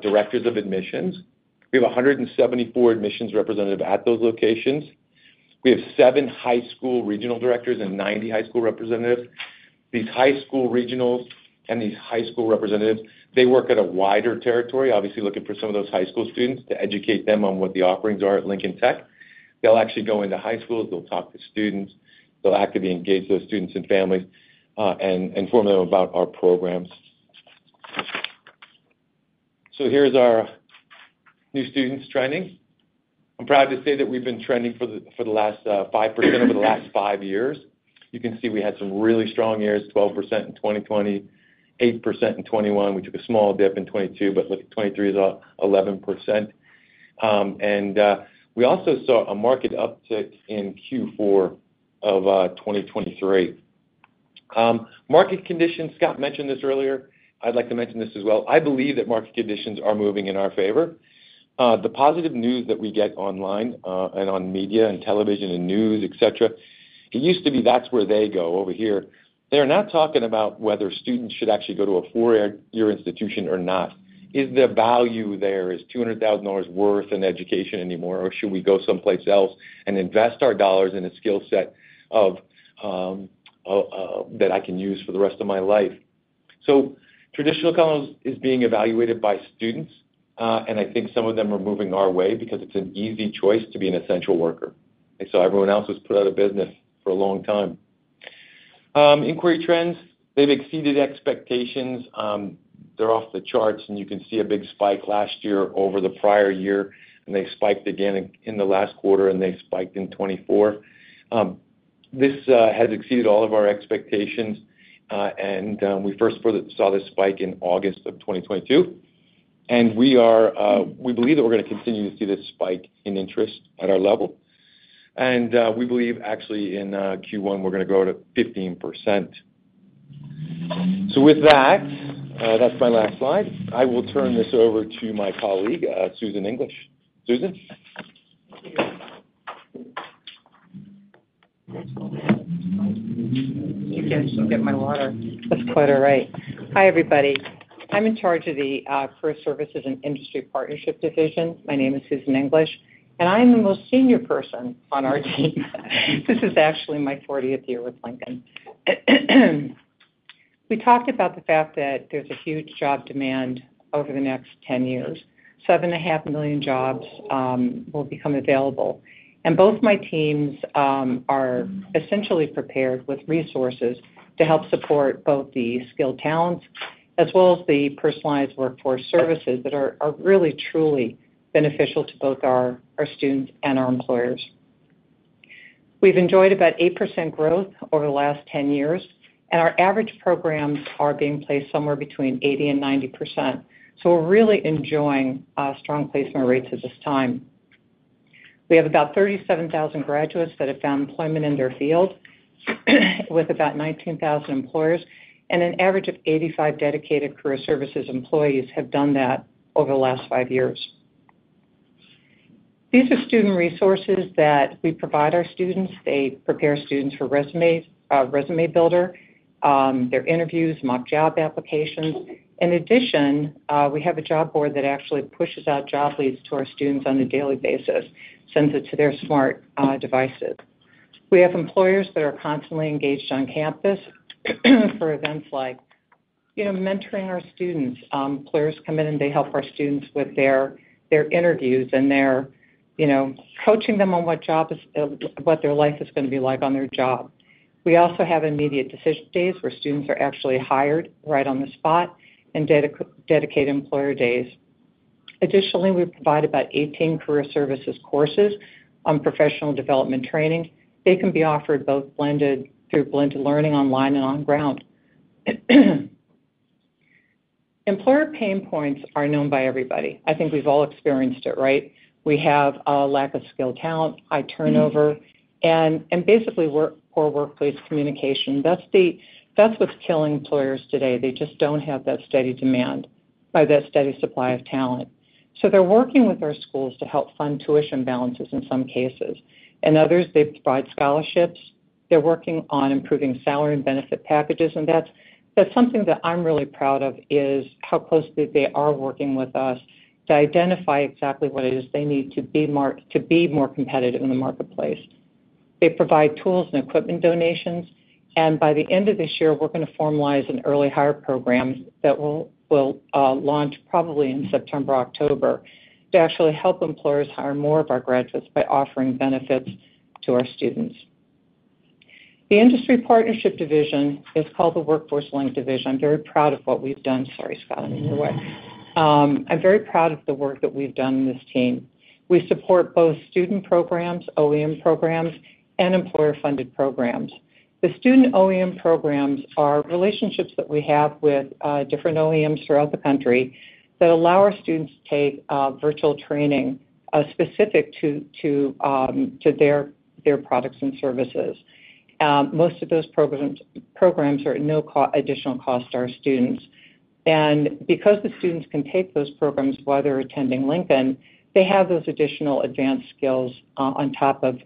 directors of admissions. We have 174 admissions representative at those locations. We have seven high school regional directors and 90 high school representatives. These high school regionals and these high school representatives, they work at a wider territory, obviously looking for some of those high school students, to educate them on what the offerings are at Lincoln Tech. They'll actually go into high schools, they'll talk to students, they'll actively engage those students and families, and inform them about our programs. So here's our new students trending. I'm proud to say that we've been trending over the last 5 years. You can see we had some really strong years, 12% in 2020, 8% in 2021. We took a small dip in 2022, but looking at 2023 is 11%. And we also saw a market uptick in Q4 of 2023. Market conditions, Scott mentioned this earlier. I'd like to mention this as well. I believe that market conditions are moving in our favor. The positive news that we get online, and on media and television and news, et cetera, it used to be that's where they go over here. They're now talking about whether students should actually go to a four-year institution or not. Is there value there? Is $200,000 worth an education anymore, or should we go someplace else and invest our dollars in a skill set that I can use for the rest of my life? So traditional college is being evaluated by students, and I think some of them are moving our way because it's an easy choice to be an essential worker. And so everyone else was put out of business for a long time. Inquiry trends, they've exceeded expectations. They're off the charts, and you can see a big spike last year over the prior year, and they spiked again in the last quarter, and they spiked in 2024. This has exceeded all of our expectations, and we first saw this spike in August of 2022, and we believe that we're gonna continue to see this spike in interest at our level. And we believe actually in Q1, we're gonna grow to 15%. So with that, that's my last slide. I will turn this over to my colleague, Susan English. Susan? You can get my water. That's quite all right. Hi, everybody. I'm in charge of the Career Services and Industry Partnership division. My name is Susan English, and I'm the most senior person on our team. This is actually my 40th year with Lincoln. We talked about the fact that there's a huge job demand over the next 10 years. 7.5 million jobs will become available, and both my teams are essentially prepared with resources to help support both the skilled talents as well as the personalized workforce services that are really truly beneficial to both our students and our employers. We've enjoyed about 8% growth over the last 10 years, and our average programs are being placed somewhere between 80% and 90%. So we're really enjoying strong placement rates at this time. We have about 37,000 graduates that have found employment in their field, with about 19,000 employers, and an average of 85 dedicated career services employees have done that over the last five years. These are student resources that we provide our students. They prepare students for resumes, resume builder, their interviews, mock job applications. In addition, we have a job board that actually pushes out job leads to our students on a daily basis, sends it to their smart devices. We have employers that are constantly engaged on campus for events like, you know, mentoring our students. Employers come in, and they help our students with their, their interviews and their, you know, coaching them on what jobs-- what their life is gonna be like on their job. We also have immediate decision days, where students are actually hired right on the spot, and dedicate employer days. Additionally, we provide about 18 career services courses on professional development training. They can be offered both blended, through blended learning, online, and on ground. Employer pain points are known by everybody. I think we've all experienced it, right? We have a lack of skilled talent, high turnover, and basically poor workplace communication. That's what's killing employers today. They just don't have that steady demand or that steady supply of talent. So they're working with our schools to help fund tuition balances in some cases. In others, they provide scholarships. They're working on improving salary and benefit packages, and that's, that's something that I'm really proud of, is how closely they are working with us to identify exactly what it is they need to be more competitive in the marketplace. They provide tools and equipment donations, and by the end of this year, we're gonna formalize an early hire program that will launch probably in September or October, to actually help employers hire more of our graduates by offering benefits to our students. The industry partnership division is called the Workforce Link Division. I'm very proud of what we've done. Sorry, Scott, I'm in your way. I'm very proud of the work that we've done in this team. We support both student programs, OEM programs, and employer-funded programs. The student OEM programs are relationships that we have with different OEMs throughout the country that allow our students to take virtual training specific to their products and services. Most of those programs are at no additional cost to our students. And because the students can take those programs while they're attending Lincoln, they have those additional advanced skills on top of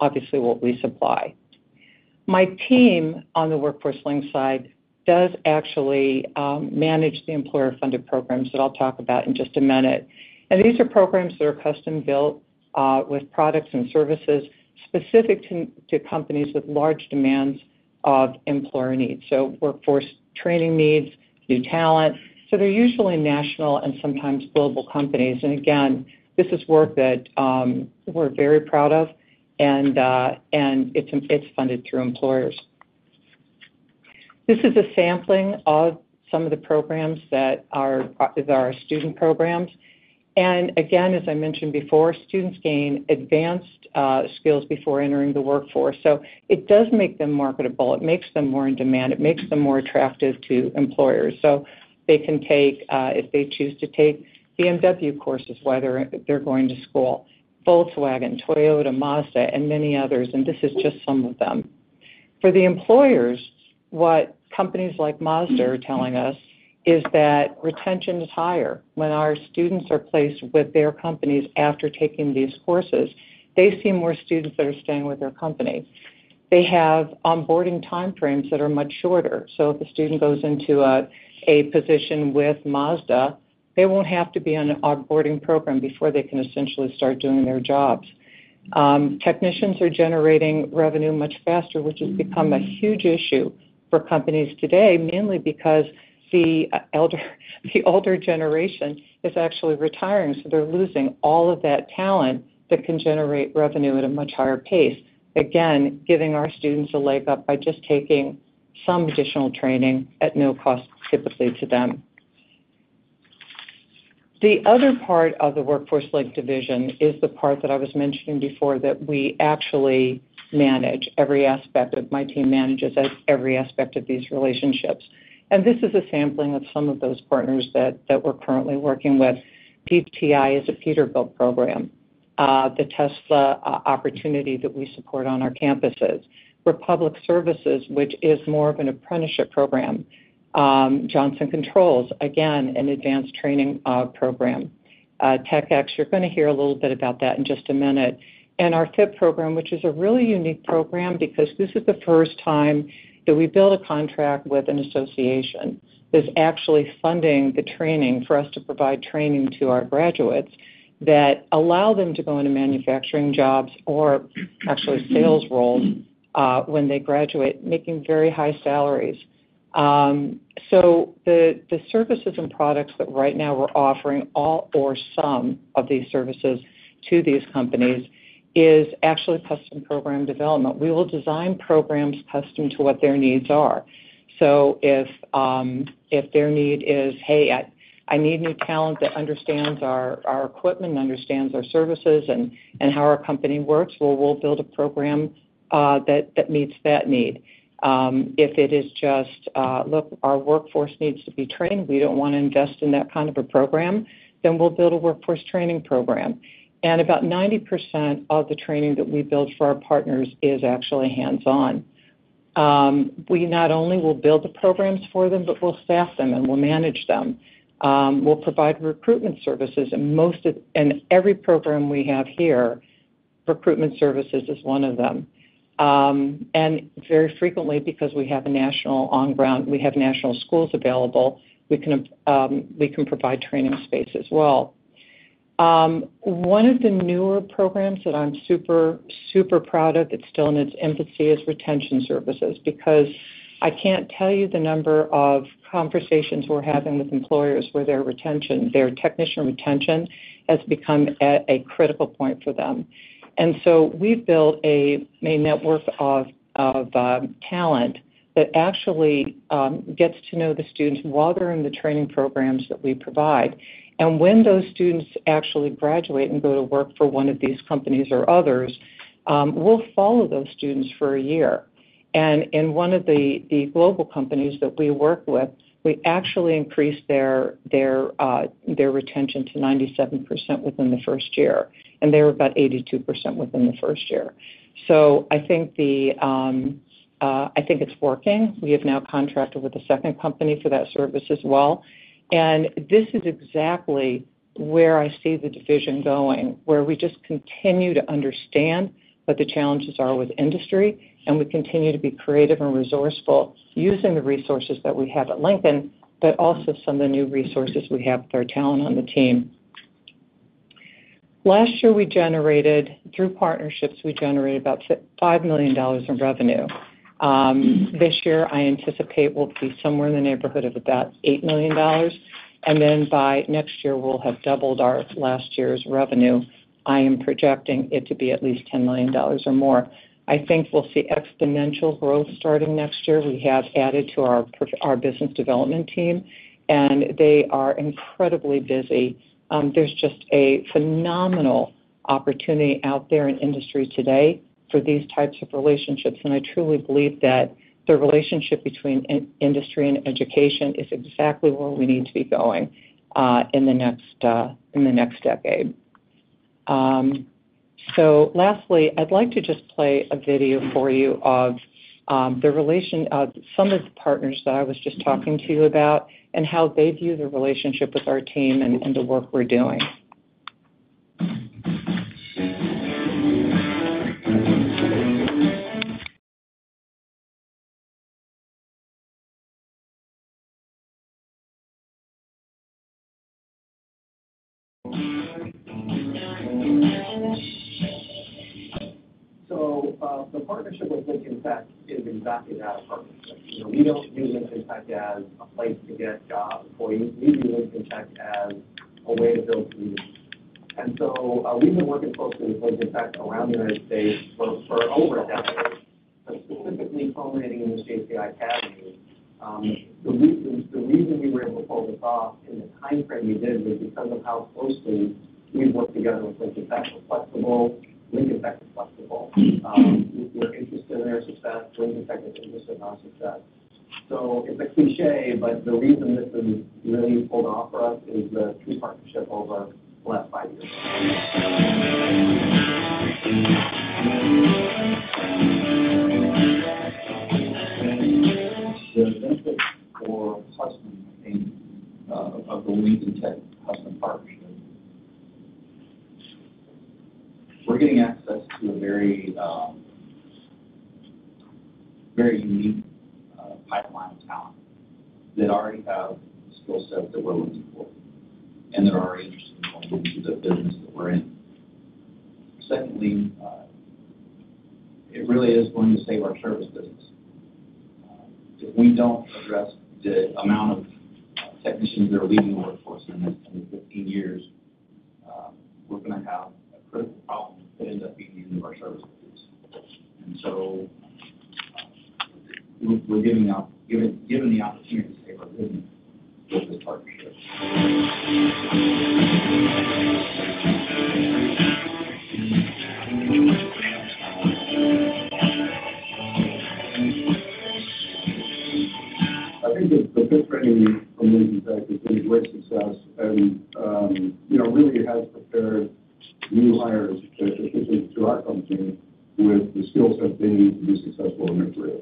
obviously what we supply. My team on the Workforce Link side does actually manage the employer-funded programs that I'll talk about in just a minute. And these are programs that are custom-built with products and services specific to companies with large demands of employer needs. So workforce training needs, new talent. So they're usually national and sometimes global companies, and again, this is work that we're very proud of, and it's funded through employers. This is a sampling of some of the programs that is our student programs. And again, as I mentioned before, students gain advanced skills before entering the workforce. So it does make them marketable. It makes them more in demand. It makes them more attractive to employers. So they can take, if they choose to take BMW courses while they're, they're going to school. Volkswagen, Toyota, Mazda, and many others, and this is just some of them. For the employers, what companies like Mazda are telling us is that retention is higher when our students are placed with their companies after taking these courses. They see more students that are staying with their company. They have onboarding time frames that are much shorter. So if a student goes into a position with Mazda, they won't have to be on an onboarding program before they can essentially start doing their jobs. Technicians are generating revenue much faster, which has become a huge issue for companies today, mainly because the older generation is actually retiring, so they're losing all of that talent that can generate revenue at a much higher pace. Again, giving our students a leg up by just taking some additional training at no cost, typically, to them. The other part of the Workforce Link division is the part that I was mentioning before, that we actually manage every aspect of... My team manages every aspect of these relationships. And this is a sampling of some of those partners that we're currently working with. PTI is a Peterbilt program. The Tesla opportunity that we support on our campuses. Republic Services, which is more of an apprenticeship program. Johnson Controls, again, an advanced training program. TechX, you're gonna hear a little bit about that in just a minute. And our FISA program, which is a really unique program because this is the first time that we built a contract with an association, that's actually funding the training for us to provide training to our graduates, that allow them to go into manufacturing jobs or actually sales roles, when they graduate, making very high salaries. So the services and products that right now we're offering, all or some of these services to these companies, is actually custom program development. We will design programs custom to what their needs are. So if their need is, "Hey, I need new talent that understands our equipment, understands our services and how our company works," well, we'll build a program that meets that need. If it is just, "Look, our workforce needs to be trained, we don't want to invest in that kind of a program," then we'll build a workforce training program. And about 90% of the training that we build for our partners is actually hands-on. We not only will build the programs for them, but we'll staff them and we'll manage them. We'll provide recruitment services, and every program we have here, recruitment services is one of them. And very frequently, because we have national schools available, we can provide training space as well. One of the newer programs that I'm super, super proud of, that's still in its infancy, is retention services, because I can't tell you the number of conversations we're having with employers where their retention, their technician retention has become a critical point for them. And so we've built a network of talent that actually gets to know the students while they're in the training programs that we provide. And when those students actually graduate and go to work for one of these companies or others, we'll follow those students for a year. And in one of the global companies that we work with, we actually increased their retention to 97% within the first year, and they were about 82% within the first year. So I think the, I think it's working. We have now contracted with a second company for that service as well, and this is exactly where I see the division going, where we just continue to understand what the challenges are with industry, and we continue to be creative and resourceful using the resources that we have at Lincoln, but also some of the new resources we have with our talent on the team. Last year, through partnerships, we generated about $5 million in revenue. This year, I anticipate we'll be somewhere in the neighborhood of about $8 million, and then by next year, we'll have doubled our last year's revenue. I am projecting it to be at least $10 million or more. I think we'll see exponential growth starting next year. We have added to our business development team, and they are incredibly busy. There's just a phenomenal opportunity out there in industry today for these types of relationships, and I truly believe that the relationship between industry and education is exactly where we need to be going in the next decade. So lastly, I'd like to just play a video for you of the relation of some of the partners that I was just talking to you about, and how they view the relationship with our team and the work we're doing. So, the partnership with Lincoln Tech is exactly that, a partnership. You know, we don't view Lincoln Tech as a place to get jobs or employees. We view Lincoln Tech as a way to build leaders. And so, we've been working closely with Lincoln Tech around the United States for over a decade, but specifically culminating in this JCI Academy. The reason we were able to pull this off in the timeframe we did was because of how closely we've worked together with Lincoln Tech; flexible. Lincoln Tech is flexible. We're interested in their success. Lincoln Tech is interested in our success. So it's a cliché, but the reason this is really pulled off for us is the key partnership over the last five years. The benefit for Tesla in of the Lincoln Tech customer partnership. We're getting access to a very, very unique pipeline of talent that already have the skill set that we're looking for, and that are already interested in going into the business that we're in. Secondly, it really is going to save our service business. If we don't address the amount of technicians that are leaving the workforce in the 15 years, we're gonna have a critical problem that ends up being in our service business. And so, we're given the opportunity to save our business with this partnership. I think the training from Lincoln Tech has been a great success and, you know, really has prepared new hires into our company with the skill set they need to be successful in their career.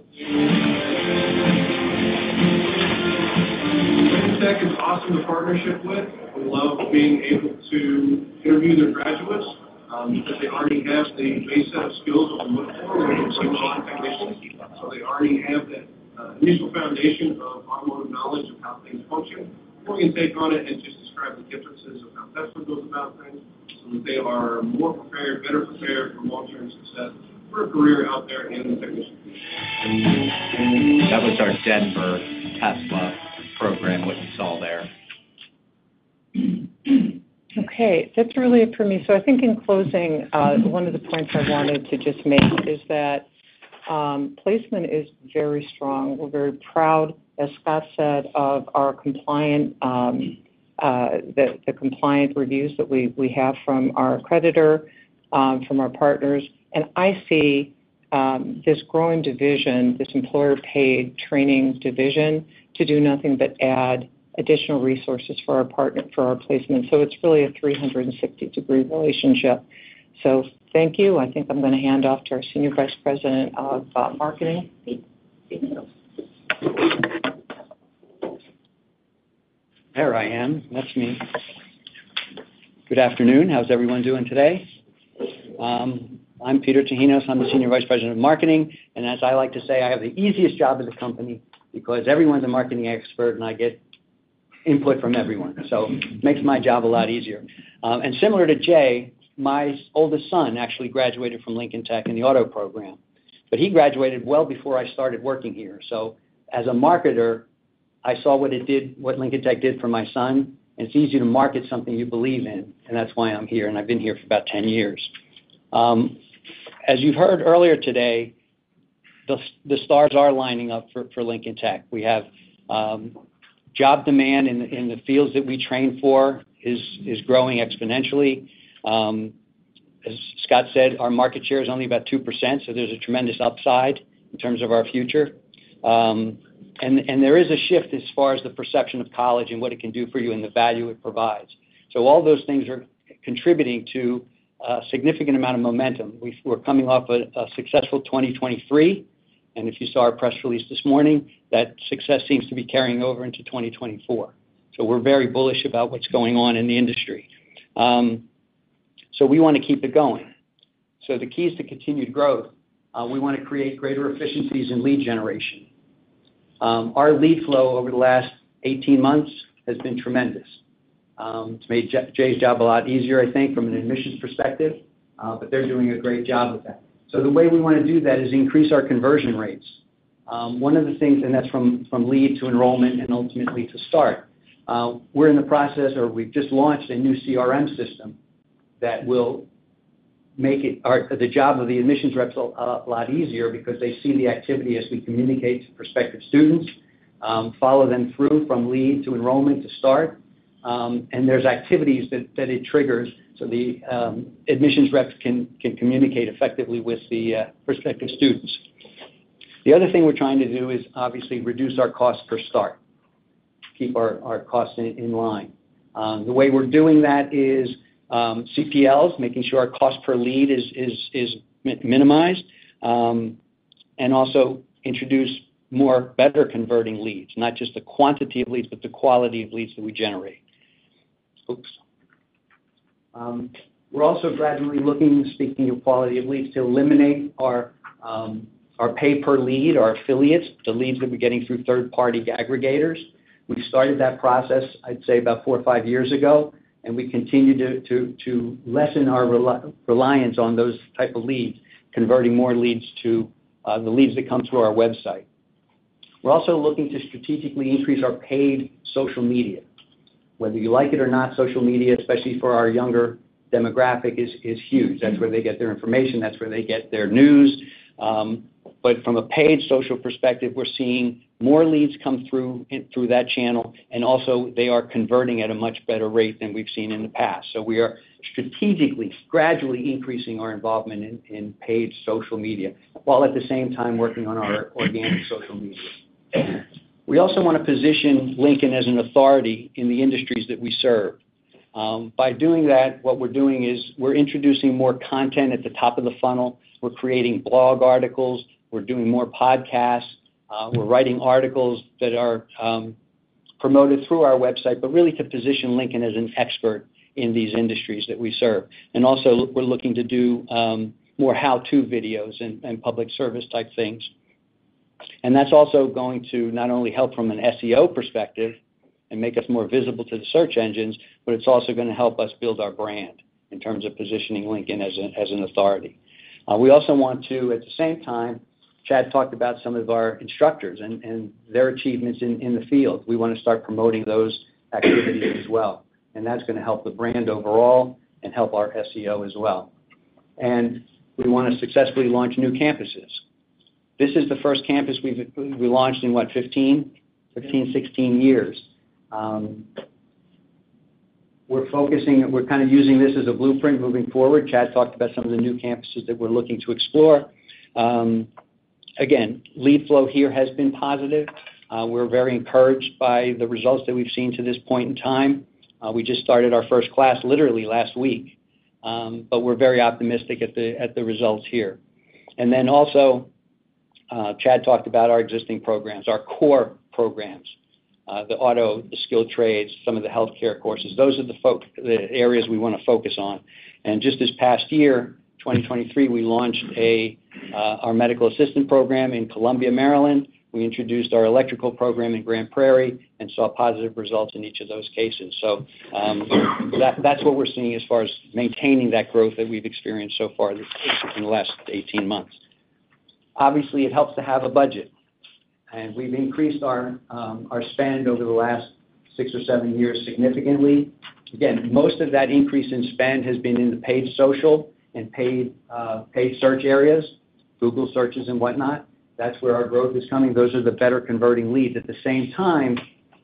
Lincoln Tech is awesome to partnership with. We love being able to interview their graduates, because they already have the base set of skills that we're looking for in a Tesla technician. So they already have that, initial foundation of automotive knowledge of how things function. We're going to take on it and just describe the differences of how Tesla goes about things, so that they are more prepared, better prepared for long-term success for a career out there in the technician field. That was our Denver Tesla program, what you saw there. Okay, that's really it for me. So I think in closing, one of the points I wanted to just make is that, placement is very strong. We're very proud, as Scott said, of our compliant, the compliant reviews that we have from our accreditor, from our partners. And I see, this growing division, this employer-paid training division, to do nothing but add additional resources for our partner, for our placement. So it's really a 360-degree relationship. So thank you. I think I'm gonna hand off to our Senior Vice President of Marketing, Peter Tahinos. There I am. That's me. Good afternoon. How's everyone doing today? I'm Peter Tahinos, I'm the Senior Vice President of Marketing, and as I like to say, I have the easiest job in the company because everyone's a marketing expert, and I get input from everyone. So makes my job a lot easier. And similar to Jay, my oldest son actually graduated from Lincoln Tech in the auto program, but he graduated well before I started working here. So as a marketer, I saw what it did, what Lincoln Tech did for my son, and it's easy to market something you believe in, and that's why I'm here, and I've been here for about 10 years. As you've heard earlier today, the stars are lining up for Lincoln Tech. We have job demand in the fields that we train for is growing exponentially. As Scott said, our market share is only about 2%, so there's a tremendous upside in terms of our future. And there is a shift as far as the perception of college and what it can do for you and the value it provides. So all those things are contributing to a significant amount of momentum. We're coming off a successful 2023, and if you saw our press release this morning, that success seems to be carrying over into 2024. So we're very bullish about what's going on in the industry. So we wanna keep it going. The keys to continued growth, we wanna create greater efficiencies in lead generation. Our lead flow over the last 18 months has been tremendous. It's made Jay's job a lot easier, I think, from an admissions perspective, but they're doing a great job with that. So the way we wanna do that is increase our conversion rates. One of the things and that's from lead to enrollment and ultimately to start. We're in the process, or we've just launched a new CRM system that will make it, or the job of the admissions reps a lot easier because they see the activity as we communicate to prospective students, follow them through from lead to enrollment to start. And there's activities that it triggers, so the admissions reps can communicate effectively with the prospective students. The other thing we're trying to do is, obviously, reduce our cost per start, keep our costs in line. The way we're doing that is, CPLs, making sure our cost per lead is minimized, and also introduce more better converting leads. Not just the quantity of leads, but the quality of leads that we generate. We're also gradually looking, speaking of quality of leads, to eliminate our, our pay per lead, our affiliates, the leads that we're getting through third-party aggregators. We started that process, I'd say, about four or five years ago, and we continue to lessen our reliance on those type of leads, converting more leads to the leads that come through our website. We're also looking to strategically increase our paid social media. Whether you like it or not, social media, especially for our younger demographic, is huge. That's where they get their information, that's where they get their news. But from a paid social perspective, we're seeing more leads come through through that channel, and also they are converting at a much better rate than we've seen in the past. So we are strategically gradually increasing our involvement in paid social media, while at the same time working on our organic social media. We also wanna position Lincoln as an authority in the industries that we serve. By doing that, what we're doing is we're introducing more content at the top of the funnel. We're creating blog articles, we're doing more podcasts, we're writing articles that are promoted through our website, but really to position Lincoln as an expert in these industries that we serve. And also, we're looking to do more how-to videos and public service type things. That's also going to not only help from an SEO perspective and make us more visible to the search engines, but it's also gonna help us build our brand in terms of positioning Lincoln as an authority. We also want to, at the same time, Chad talked about some of our instructors and their achievements in the field. We wanna start promoting those activities as well, and that's gonna help the brand overall and help our SEO as well. We wanna successfully launch new campuses. This is the first campus we've launched in 15, 16 years. We're focusing. We're kind of using this as a blueprint moving forward. Chad talked about some of the new campuses that we're looking to explore. Again, lead flow here has been positive. We're very encouraged by the results that we've seen to this point in time. We just started our first class literally last week, but we're very optimistic at the results here. And then also, Chad talked about our existing programs, our core programs, the auto, the skilled trades, some of the healthcare courses. Those are the areas we wanna focus on. And just this past year, 2023, we launched our medical assistant program in Columbia, Maryland. We introduced our electrical program in Grand Prairie and saw positive results in each of those cases. So, that's what we're seeing as far as maintaining that growth that we've experienced so far in the last 18 months. Obviously, it helps to have a budget, and we've increased our spend over the last six or seven years significantly. Again, most of that increase in spend has been in the paid social and paid search areas, Google searches and whatnot. That's where our growth is coming. Those are the better converting leads. At the same time,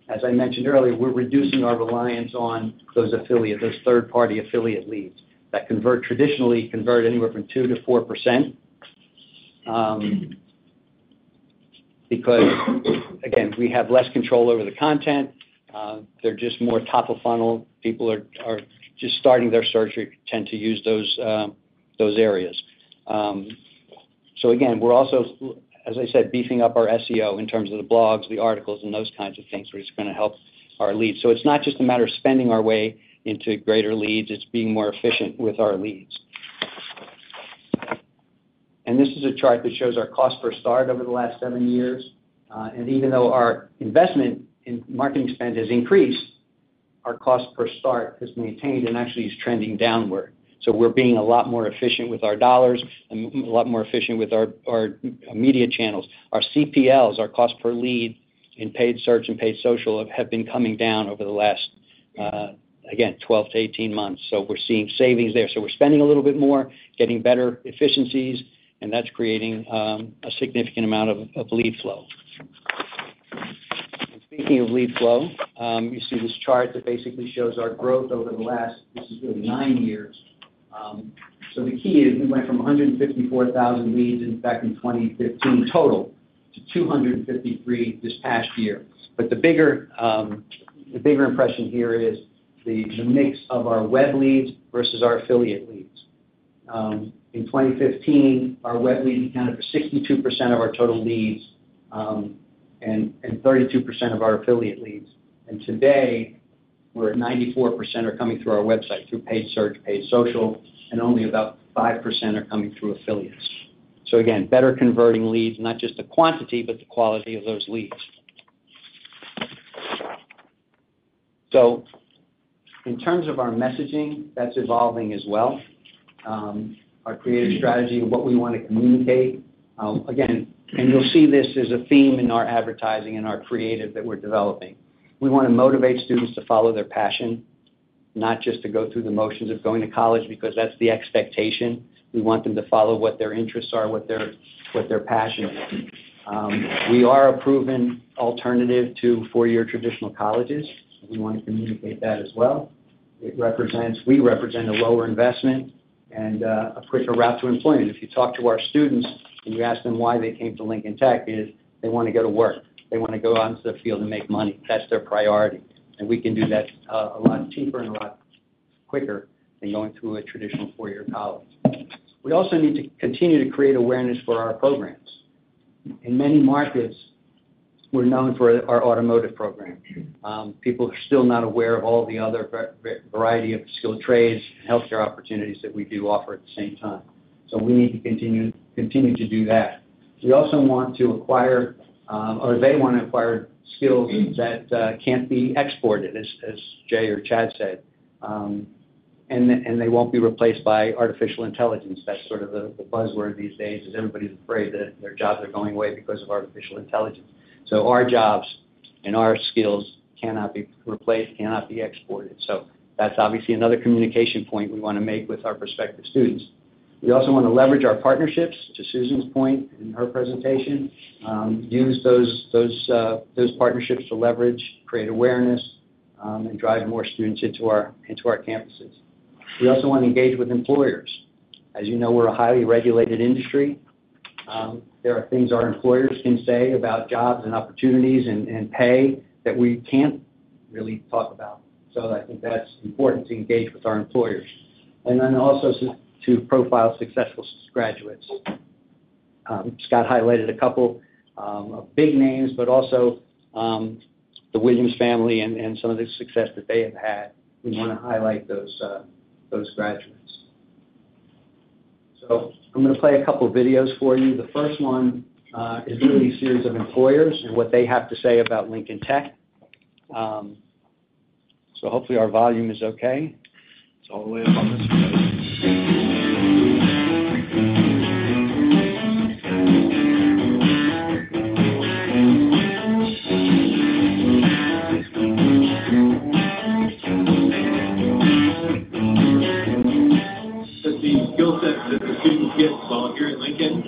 as I mentioned earlier, we're reducing our reliance on those affiliate, those third-party affiliate leads that convert, traditionally convert anywhere from 2%-4%. Because, again, we have less control over the content, they're just more top of funnel. People are just starting their search tend to use those areas. So again, we're also, as I said, beefing up our SEO in terms of the blogs, the articles, and those kinds of things, where it's gonna help our leads. So it's not just a matter of spending our way into greater leads, it's being more efficient with our leads. This is a chart that shows our cost per start over the last seven years. And even though our investment in marketing spend has increased. Our cost per start is maintained and actually is trending downward. So we're being a lot more efficient with our dollars and a lot more efficient with our media channels. Our CPLs, our cost per lead in paid search and paid social, have been coming down over the last 12-18 months. So we're seeing savings there. So we're spending a little bit more, getting better efficiencies, and that's creating a significant amount of lead flow. And speaking of lead flow, you see this chart that basically shows our growth over the last 9 years. So the key is we went from 154,000 leads, in fact, in 2015 total, to 253,000 this past year. But the bigger, the bigger impression here is the, the mix of our web leads versus our affiliate leads. In 2015, our web leads accounted for 62% of our total leads, and, and 32% of our affiliate leads. And today, we're at 94% are coming through our website, through paid search, paid social, and only about 5% are coming through affiliates. So again, better converting leads, not just the quantity, but the quality of those leads. So in terms of our messaging, that's evolving as well. Our creative strategy and what we wanna communicate, again, and you'll see this as a theme in our advertising and our creative that we're developing. We wanna motivate students to follow their passion, not just to go through the motions of going to college because that's the expectation. We want them to follow what their interests are, what their, what their passion is. We are a proven alternative to four-year traditional colleges, and we wanna communicate that as well. It represents. We represent a lower investment and a quicker route to employment. If you talk to our students, and you ask them why they came to Lincoln Tech is, they wanna go to work. They wanna go out into the field and make money. That's their priority, and we can do that a lot cheaper and a lot quicker than going through a traditional four-year college. We also need to continue to create awareness for our programs. In many markets, we're known for our automotive program. People are still not aware of all the other variety of skilled trades, healthcare opportunities that we do offer at the same time. So we need to continue to do that. We also want to acquire, or they wanna acquire skills that can't be exported, as Jay or Chad said, and they won't be replaced by artificial intelligence. That's sort of the buzzword these days, is everybody's afraid that their jobs are going away because of artificial intelligence. So our jobs and our skills cannot be replaced, cannot be exported. So that's obviously another communication point we wanna make with our prospective students. We also wanna leverage our partnerships, to Susan's point in her presentation. Use those partnerships to leverage, create awareness, and drive more students into our campuses. We also wanna engage with employers. As you know, we're a highly regulated industry. There are things our employers can say about jobs and opportunities and, and pay that we can't really talk about. So I think that's important to engage with our employers. And then also to, to profile successful graduates. Scott highlighted a couple of big names, but also the Williams family and, and some of the success that they have had. We wanna highlight those graduates. So I'm gonna play a couple videos for you. The first one is really a series of employers and what they have to say about Lincoln Tech. So hopefully our volume is okay. It's all the way up on this. So the skill set that the students get while here at Lincoln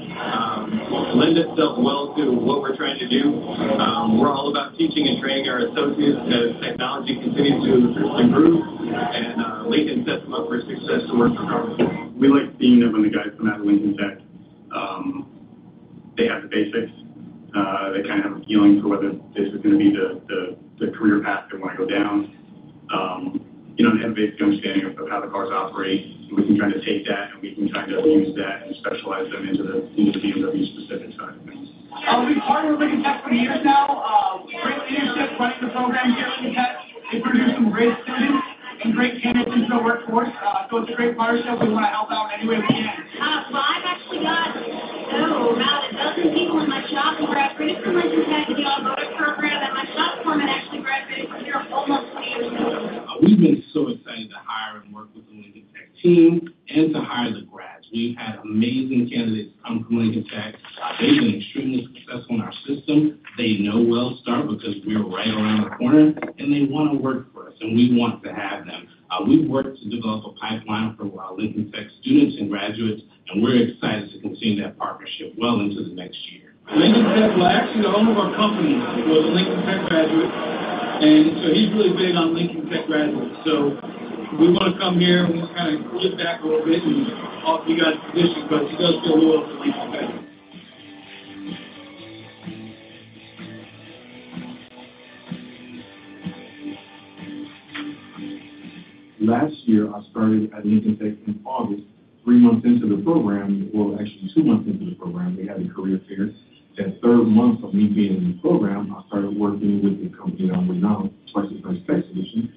lend itself well to what we're trying to do. We're all about teaching and training our associates as technology continues to improve, and Lincoln sets them up for success and we're proud. We like seeing that when the guys come out of Lincoln Tech, they have the basics. They kind of have a feeling for whether this is gonna be the career path they wanna go down. You know, they have a basic understanding of how the cars operate. We can kind of take that, and we can kind of use that and specialize them into the specific kind of things. We've partnered with Lincoln Tech for years now. Great leadership running the program here at Lincoln Tech. They produce some great students and great candidates into the workforce. So it's a great partnership. We wanna help out any way we can. Well, I've actually got about a dozen people in my shop who graduated from Lincoln Tech, the automotive program, and my shop foreman actually graduated from here almost 20 years ago. We've been so excited to hire and work with the Lincoln Tech team and to hire the grads. We've had amazing candidates come from Lincoln Tech. They've been extremely successful in our system. They know we'll start because we are right around the corner, and they wanna work for us, and we want to have them. We've worked to develop a pipeline for our Lincoln Tech students and graduates, and we're excited to continue that partnership well into the next year. Lincoln Tech, well, actually, the owner of our company was a Lincoln Tech graduate, and so he's really big on Lincoln Tech graduates. So we wanna come here, and we wanna kind of give back a little bit and offer you guys positions, but he does feel loyal to Lincoln Tech. Last year, I started at Lincoln Tech in August. Three months into the program, or actually two months into the program, they had a career fair. That third month of me being in the program, I started working with the company that I'm with now, Chrysler Tech Solutions.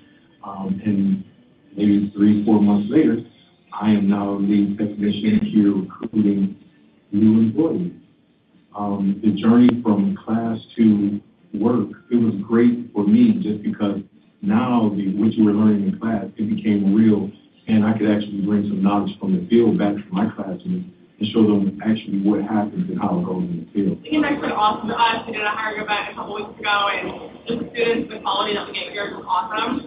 And maybe three, four months later, I am now the technician here recruiting new employees. The journey from class to work, it was great for me just because now what you were learning in class, it became real, and I could actually bring some knowledge from the field back to my classmates and show them actually what happens and how it goes in the field. Lincoln Tech's been awesome to us. We did a hiring event a couple weeks ago, and the students, the quality that we get here is awesome.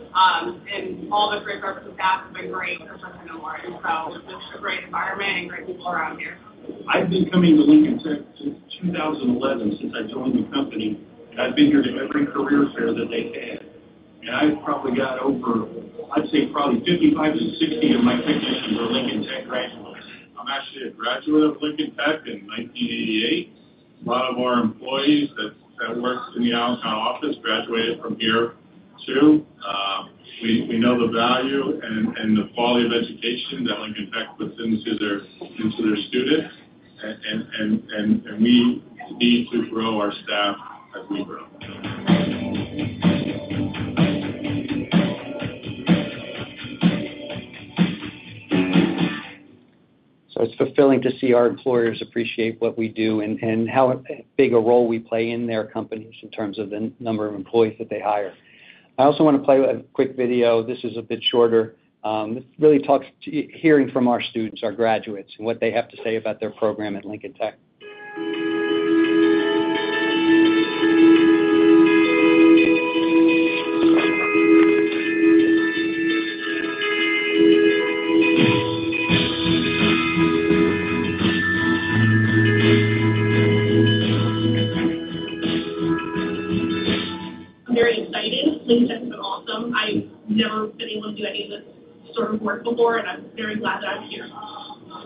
And all the great staff have been great for us to know. And so it's just a great environment and great people around here. I've been coming to Lincoln Tech since 2011, since I joined the company, and I've been here to every career fair that they've had. I've probably got over, I'd say, probably 55-60 of my technicians are Lincoln Tech graduates. I'm actually a graduate of Lincoln Tech in 1988. A lot of our employees that work in the Allentown office graduated from here, too. We know the value and the quality of education that Lincoln Tech puts into their students. We need to grow our staff as we grow. So it's fulfilling to see our employers appreciate what we do and how big a role we play in their companies in terms of the number of employees that they hire. I also want to play a quick video. This is a bit shorter. It really talks to hearing from our students, our graduates, and what they have to say about their program at Lincoln Tech. I'm very excited. Lincoln Tech has been awesome. I've never been able to do any of this sort of work before, and I'm very glad that I'm here.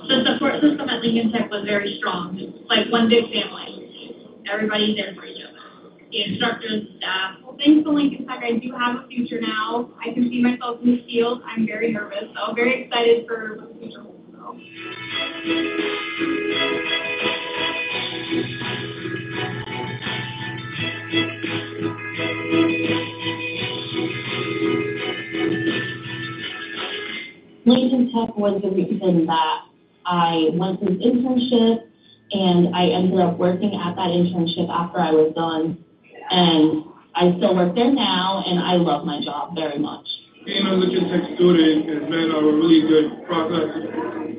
The support system at Lincoln Tech was very strong, it's like one big family. Everybody's there for each other, the instructors, staff. Well, thanks to Lincoln Tech, I do have a future now. I can see myself in this field. I'm very nervous, so very excited for what the future holds, so. Lincoln Tech was the reason that I went through the internship, and I ended up working at that internship after I was done, and I still work there now, and I love my job very much. Being a Lincoln Tech student has been a really good process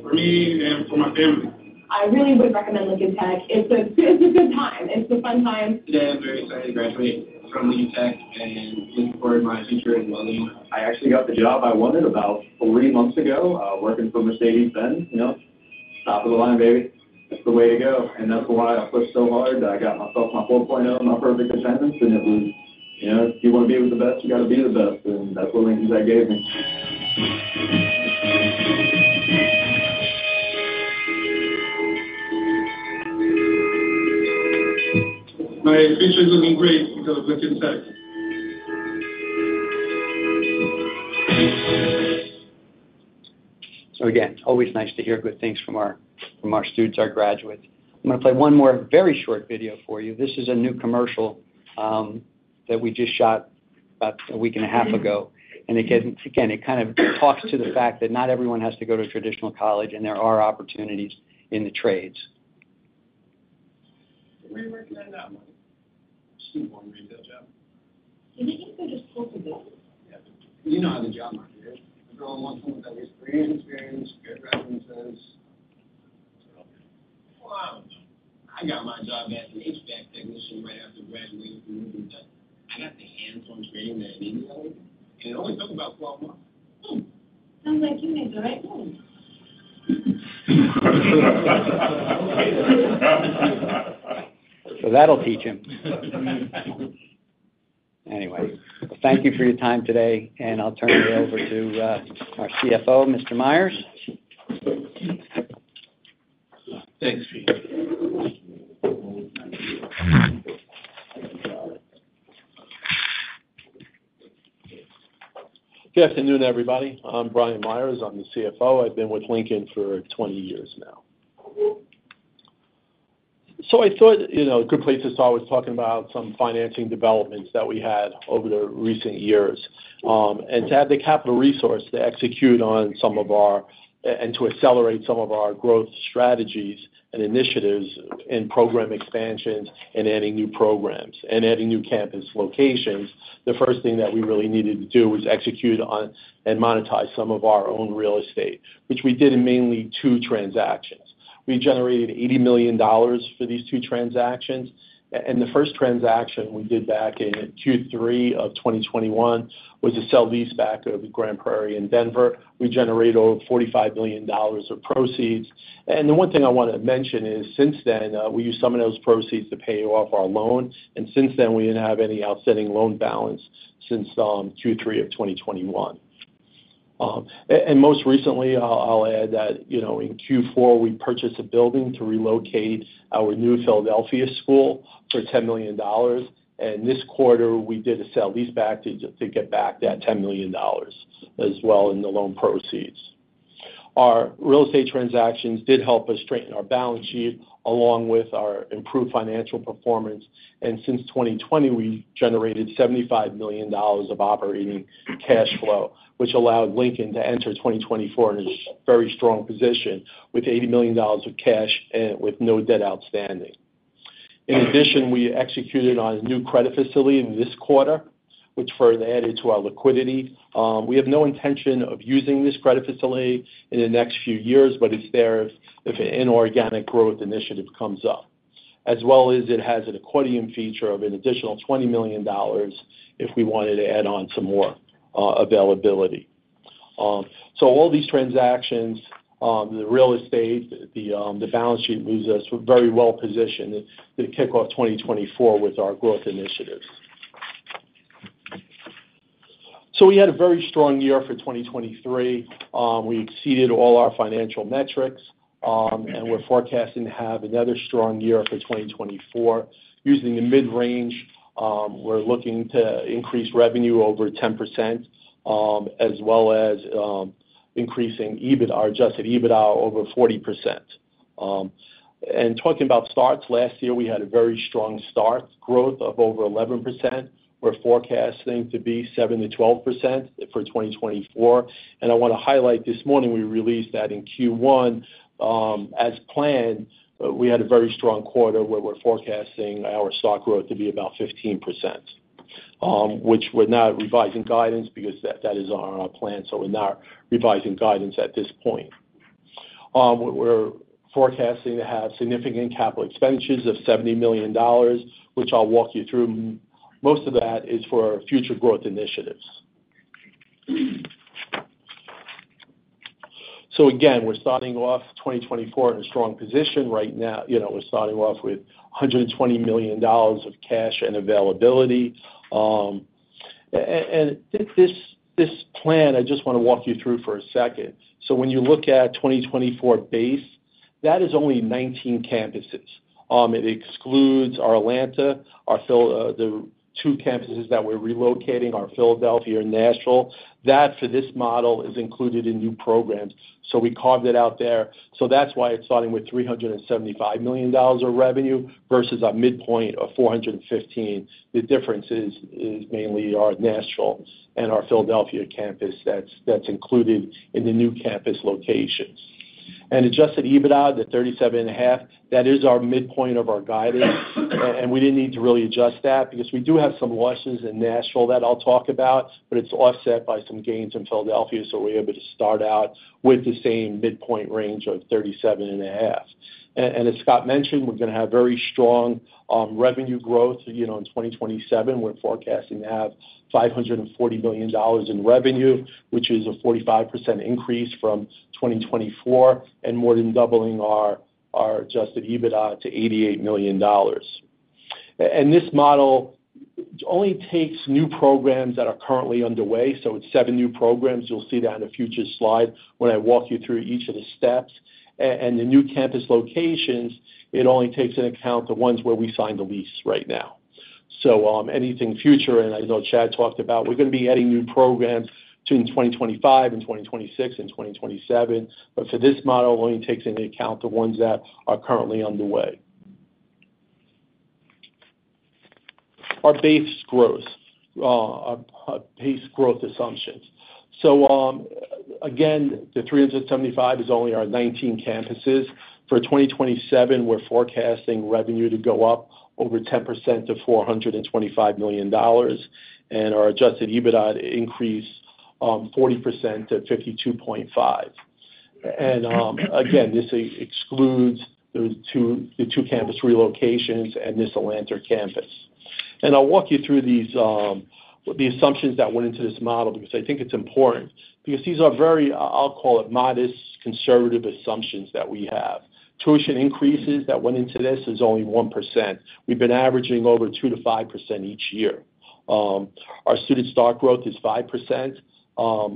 for me and for my family. I really would recommend Lincoln Tech. It's a, it's a good time. It's a fun time. Today, I'm very excited to graduate from Lincoln Tech and looking forward to my future in welding. I actually got the job I wanted about three months ago, working for Mercedes-Benz, you know, top of the line, baby. That's the way to go. And that's why I pushed so hard that I got myself my 4.0, my perfect attendance, and it was... You know, if you want to be with the best, you got to be the best, and that's what Lincoln Tech gave me. My future is looking great because of Lincoln Tech. So again, always nice to hear good things from our students, our graduates. I'm going to play one more very short video for you. This is a new commercial that we just shot about a week and a half ago. And again, again, it kind of talks to the fact that not everyone has to go to a traditional college, and there are opportunities in the trades. We recommend that one. Student work retail job. You think they're just talking about it? Yeah. You know how the job market is. They only want someone with at least three years experience, great references. Well, I don't know. I got my job as an HVAC technician right after graduating from Lincoln Tech. I got the hands-on training that I needed, and it only took about 12 months. Hmm, sounds like you made the right move. That'll teach him. Anyway, thank you for your time today, and I'll turn it over to our CFO, Mr. Myers. Thanks, Pete. Good afternoon, everybody. I'm Brian Myers. I'm the CFO. I've been with Lincoln for 20 years now. So I thought, you know, a good place to start was talking about some financing developments that we had over the recent years, and to have the capital resource to execute on some of our and to accelerate some of our growth strategies and initiatives, and program expansions, and adding new programs, and adding new campus locations. The first thing that we really needed to do was execute on and monetize some of our own real estate, which we did in mainly two transactions. We generated $80 million for these two transactions. And the first transaction we did back in Q3 of 2021, was a sale leaseback of Grand Prairie and Denver. We generated over $45 million of proceeds. And the one thing I want to mention is, since then, we used some of those proceeds to pay off our loans, and since then, we didn't have any outstanding loan balance since Q3 of 2021. And most recently, I'll add that, you know, in Q4, we purchased a building to relocate our new Philadelphia school for $10 million. And this quarter, we did a sale leaseback to get back that $10 million, as well in the loan proceeds. Our real estate transactions did help us strengthen our balance sheet, along with our improved financial performance, and since 2020, we've generated $75 million of operating cash flow, which allowed Lincoln to enter 2024 in a very strong position with $80 million of cash and with no debt outstanding. In addition, we executed on a new credit facility in this quarter, which further added to our liquidity. We have no intention of using this credit facility in the next few years, but it's there if, if an inorganic growth initiative comes up. As well as it has an accordion feature of an additional $20 million if we wanted to add on some more availability. So all these transactions, the real estate, the, the balance sheet leaves us very well positioned to, to kick off 2024 with our growth initiatives. So we had a very strong year for 2023. We exceeded all our financial metrics, and we're forecasting to have another strong year for 2024. Using the mid-range, we're looking to increase revenue over 10%, as well as increasing EBITDA, adjusted EBITDA over 40%. And talking about starts, last year, we had a very strong start, growth of over 11%. We're forecasting to be 7%-12% for 2024. And I wanna highlight this morning, we released that in Q1, as planned, we had a very strong quarter where we're forecasting our stock growth to be about 15%, which we're not revising guidance because that is on our plan, so we're not revising guidance at this point. We're forecasting to have significant capital expenditures of $70 million, which I'll walk you through. Most of that is for our future growth initiatives. So again, we're starting off 2024 in a strong position. Right now, you know, we're starting off with $120 million of cash and availability And this plan, I just want to walk you through for a second. So when you look at 2024 base, that is only 19 campuses. It excludes our Atlanta, the two campuses that we're relocating, our Philadelphia and Nashville. That, for this model, is included in new programs, so we carved it out there. So that's why it's starting with $375 million of revenue versus a midpoint of $415 million. The difference is mainly our Nashville and our Philadelphia campus that's included in the new campus locations. Adjusted EBITDA, the 37.5, that is our midpoint of our guidance, and we didn't need to really adjust that because we do have some losses in Nashville that I'll talk about, but it's offset by some gains in Philadelphia, so we're able to start out with the same midpoint range of 37.5. And as Scott mentioned, we're gonna have very strong revenue growth. You know, in 2027, we're forecasting to have $540 million in revenue, which is a 45% increase from 2024, and more than doubling our adjusted EBITDA to $88 million. And this model only takes new programs that are currently underway, so it's seven new programs. You'll see that in a future slide when I walk you through each of the steps. And the new campus locations, it only takes into account the ones where we signed the lease right now. So, anything future, and I know Chad talked about, we're gonna be adding new programs to in 2025 and 2026 and 2027, but for this model, it only takes into account the ones that are currently underway. Our base growth, our base growth assumptions. So, again, the $375 million is only our 19 campuses. For 2027, we're forecasting revenue to go up over 10% to $425 million, and our adjusted EBITDA to increase 40% to $52.5 million. And, again, this excludes the two campus relocations and this Atlanta campus. And I'll walk you through these, the assumptions that went into this model, because I think it's important, because these are very, I'll call it modest, conservative assumptions that we have. Tuition increases that went into this is only 1%. We've been averaging over 2%-5% each year. Our student start growth is 5%.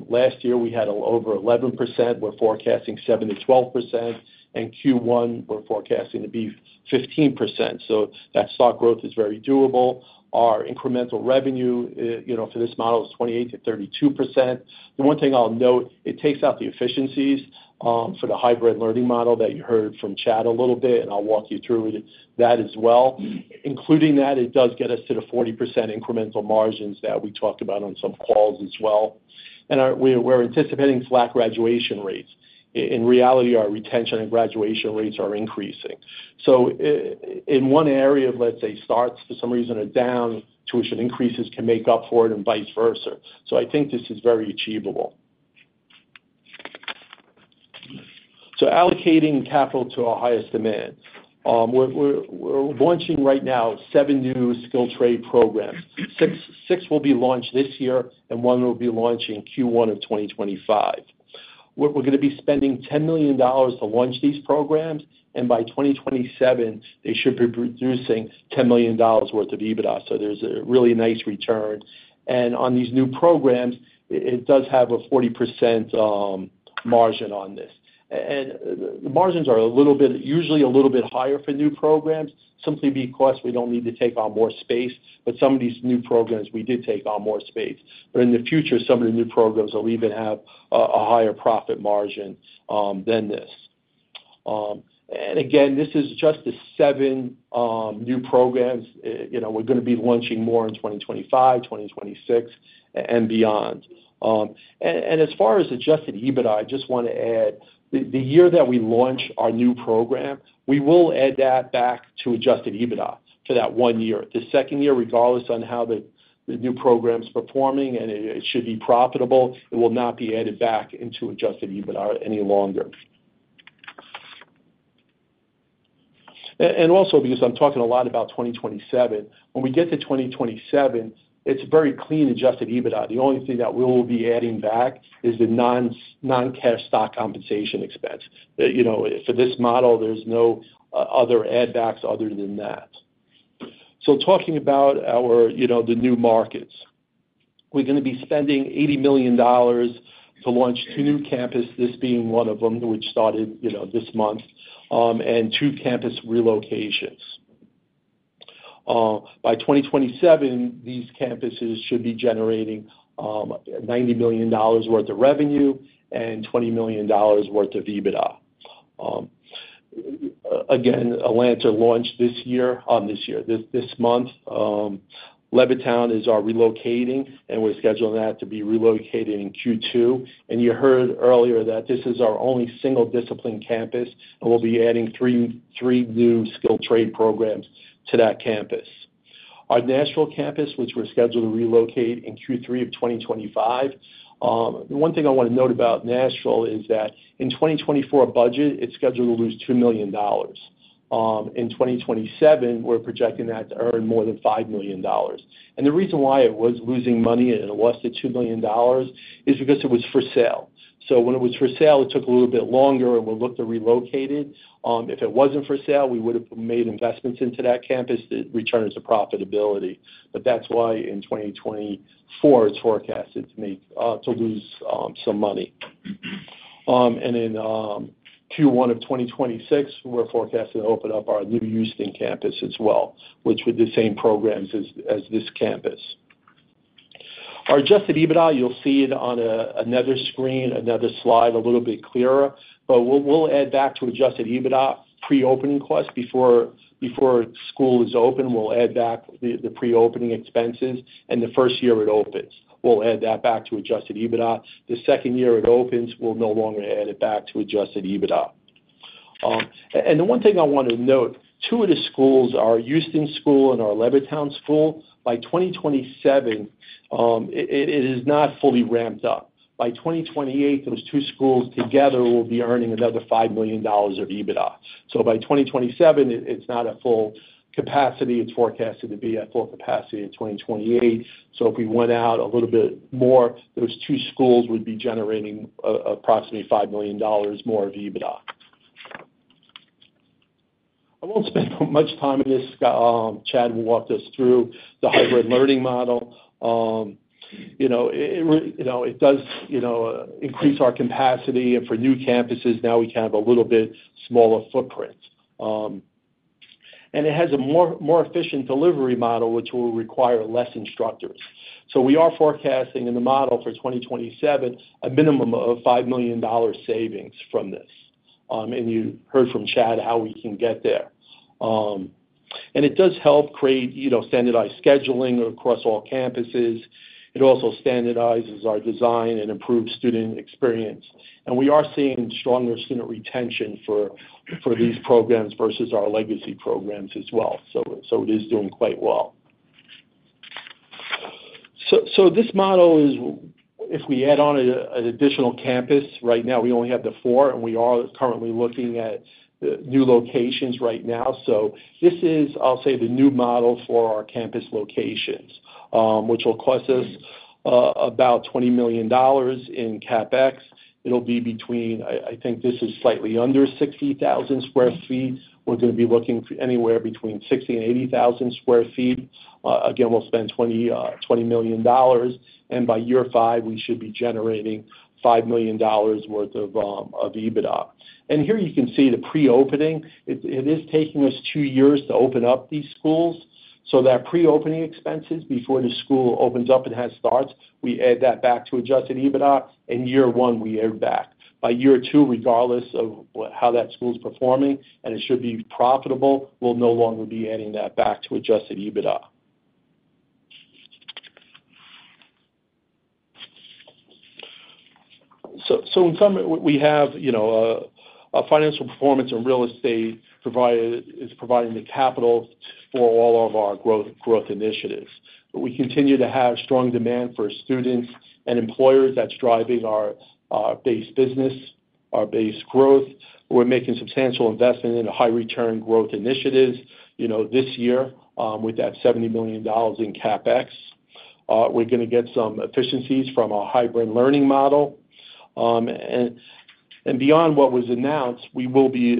Last year, we had over 11%. We're forecasting 7%-12%, and Q1, we're forecasting to be 15%. So that stock growth is very doable. Our incremental revenue, you know, for this model is 28%-32%. The one thing I'll note, it takes out the efficiencies, for the hybrid learning model that you heard from Chad a little bit, and I'll walk you through that as well. Including that, it does get us to the 40% incremental margins that we talked about on some calls as well. And we're anticipating flat graduation rates. In reality, our retention and graduation rates are increasing. So in one area, let's say, starts, for some reason are down, tuition increases can make up for it, and vice versa. So I think this is very achievable. So allocating capital to our highest demand. We're launching right now seven new skilled trade programs. Six will be launched this year, and one will be launched in Q1 of 2025. We're gonna be spending $10 million to launch these programs, and by 2027, they should be producing $10 million worth of EBITDA. So there's a really nice return. On these new programs, it does have a 40% margin on this. And the margins are a little bit, usually a little bit higher for new programs, simply because we don't need to take on more space, but some of these new programs, we did take on more space. But in the future, some of the new programs will even have a higher profit margin than this. And again, this is just the seven new programs. You know, we're gonna be launching more in 2025, 2026, and beyond. And as far as adjusted EBITDA, I just wanna add, the year that we launch our new program, we will add that back to adjusted EBITDA for that one year. The second year, regardless of how the new program's performing, and it should be profitable, it will not be added back into adjusted EBITDA any longer. And also, because I'm talking a lot about 2027, when we get to 2027, it's very clean adjusted EBITDA. The only thing that we will be adding back is the non-cash stock compensation expense. You know, for this model, there's no other add backs other than that. So talking about our, you know, the new markets. We're gonna be spending $80 million to launch two new campuses, this being one of them, which started, you know, this month, and two campus relocations. By 2027, these campuses should be generating $90 million worth of revenue and $20 million worth of EBITDA. Again, Atlanta launched this year... This year, this month. Levittown is our relocating, and we're scheduling that to be relocated in Q2. And you heard earlier that this is our only single-discipline campus, and we'll be adding three new skilled trade programs to that campus. Our Nashville campus, which we're scheduled to relocate in Q3 of 2025, the one thing I wanna note about Nashville is that in 2024 budget, it's scheduled to lose $2 million. In 2027, we're projecting that to earn more than $5 million. And the reason why it was losing money, and it lost the $2 million, is because it was for sale. So when it was for sale, it took a little bit longer, and we looked to relocate it. If it wasn't for sale, we would've made investments into that campus to return it to profitability. But that's why, in 2024, it's forecasted to make, to lose, some money. And in Q1 of 2026, we're forecasting to open up our new Houston campus as well, which with the same programs as, as this campus. Our adjusted EBITDA, you'll see it on another screen, another slide, a little bit clearer, but we'll add back to adjusted EBITDA pre-opening costs before school is open. We'll add back the pre-opening expenses, and the first year it opens, we'll add that back to adjusted EBITDA. The second year it opens, we'll no longer add it back to adjusted EBITDA. And the one thing I want to note, two of the schools, our Houston school and our Levittown school, by 2027, it is not fully ramped up. By 2028, those two schools together will be earning another $5 million of EBITDA. So by 2027, it, it's not at full capacity. It's forecasted to be at full capacity in 2028. So if we went out a little bit more, those two schools would be generating approximately $5 million more of EBITDA. I won't spend much time on this. Chad will walk us through the hybrid learning model. You know, it, it you know, it does, you know, increase our capacity, and for new campuses, now we can have a little bit smaller footprint. And it has a more, more efficient delivery model, which will require less instructors. So we are forecasting, in the model for 2027, a minimum of $5 million savings from this. And you heard from Chad how we can get there. And it does help create, you know, standardized scheduling across all campuses. It also standardizes our design and improves student experience. And we are seeing stronger student retention for, for these programs versus our legacy programs as well, so, so it is doing quite well. So, so this model is, if we add on a, an additional campus, right now we only have the four, and we are currently looking at new locations right now. So this is, I'll say, the new model for our campus locations, which will cost us about $20 million in CapEx. It'll be between... I, I think this is slightly under 60,000 sq ft. We're gonna be looking for anywhere between 60,000 and 80,000 sq ft. Again, we'll spend $20 million, and by year five, we should be generating $5 million worth of EBITDA. And here you can see the pre-opening. It is taking us two years to open up these schools, so that pre-opening expenses before the school opens up and has starts, we add that back to adjusted EBITDA. In year one, we add back. By year two, regardless of how that school's performing, and it should be profitable, we'll no longer be adding that back to adjusted EBITDA. So in summary, what we have, you know, our financial performance in real estate is providing the capital for all of our growth initiatives. But we continue to have strong demand for students and employers that's driving our base business, our base growth. We're making substantial investment in a high-return growth initiatives, you know, this year, with that $70 million in CapEx. We're gonna get some efficiencies from our hybrid learning model. And beyond what was announced, we will be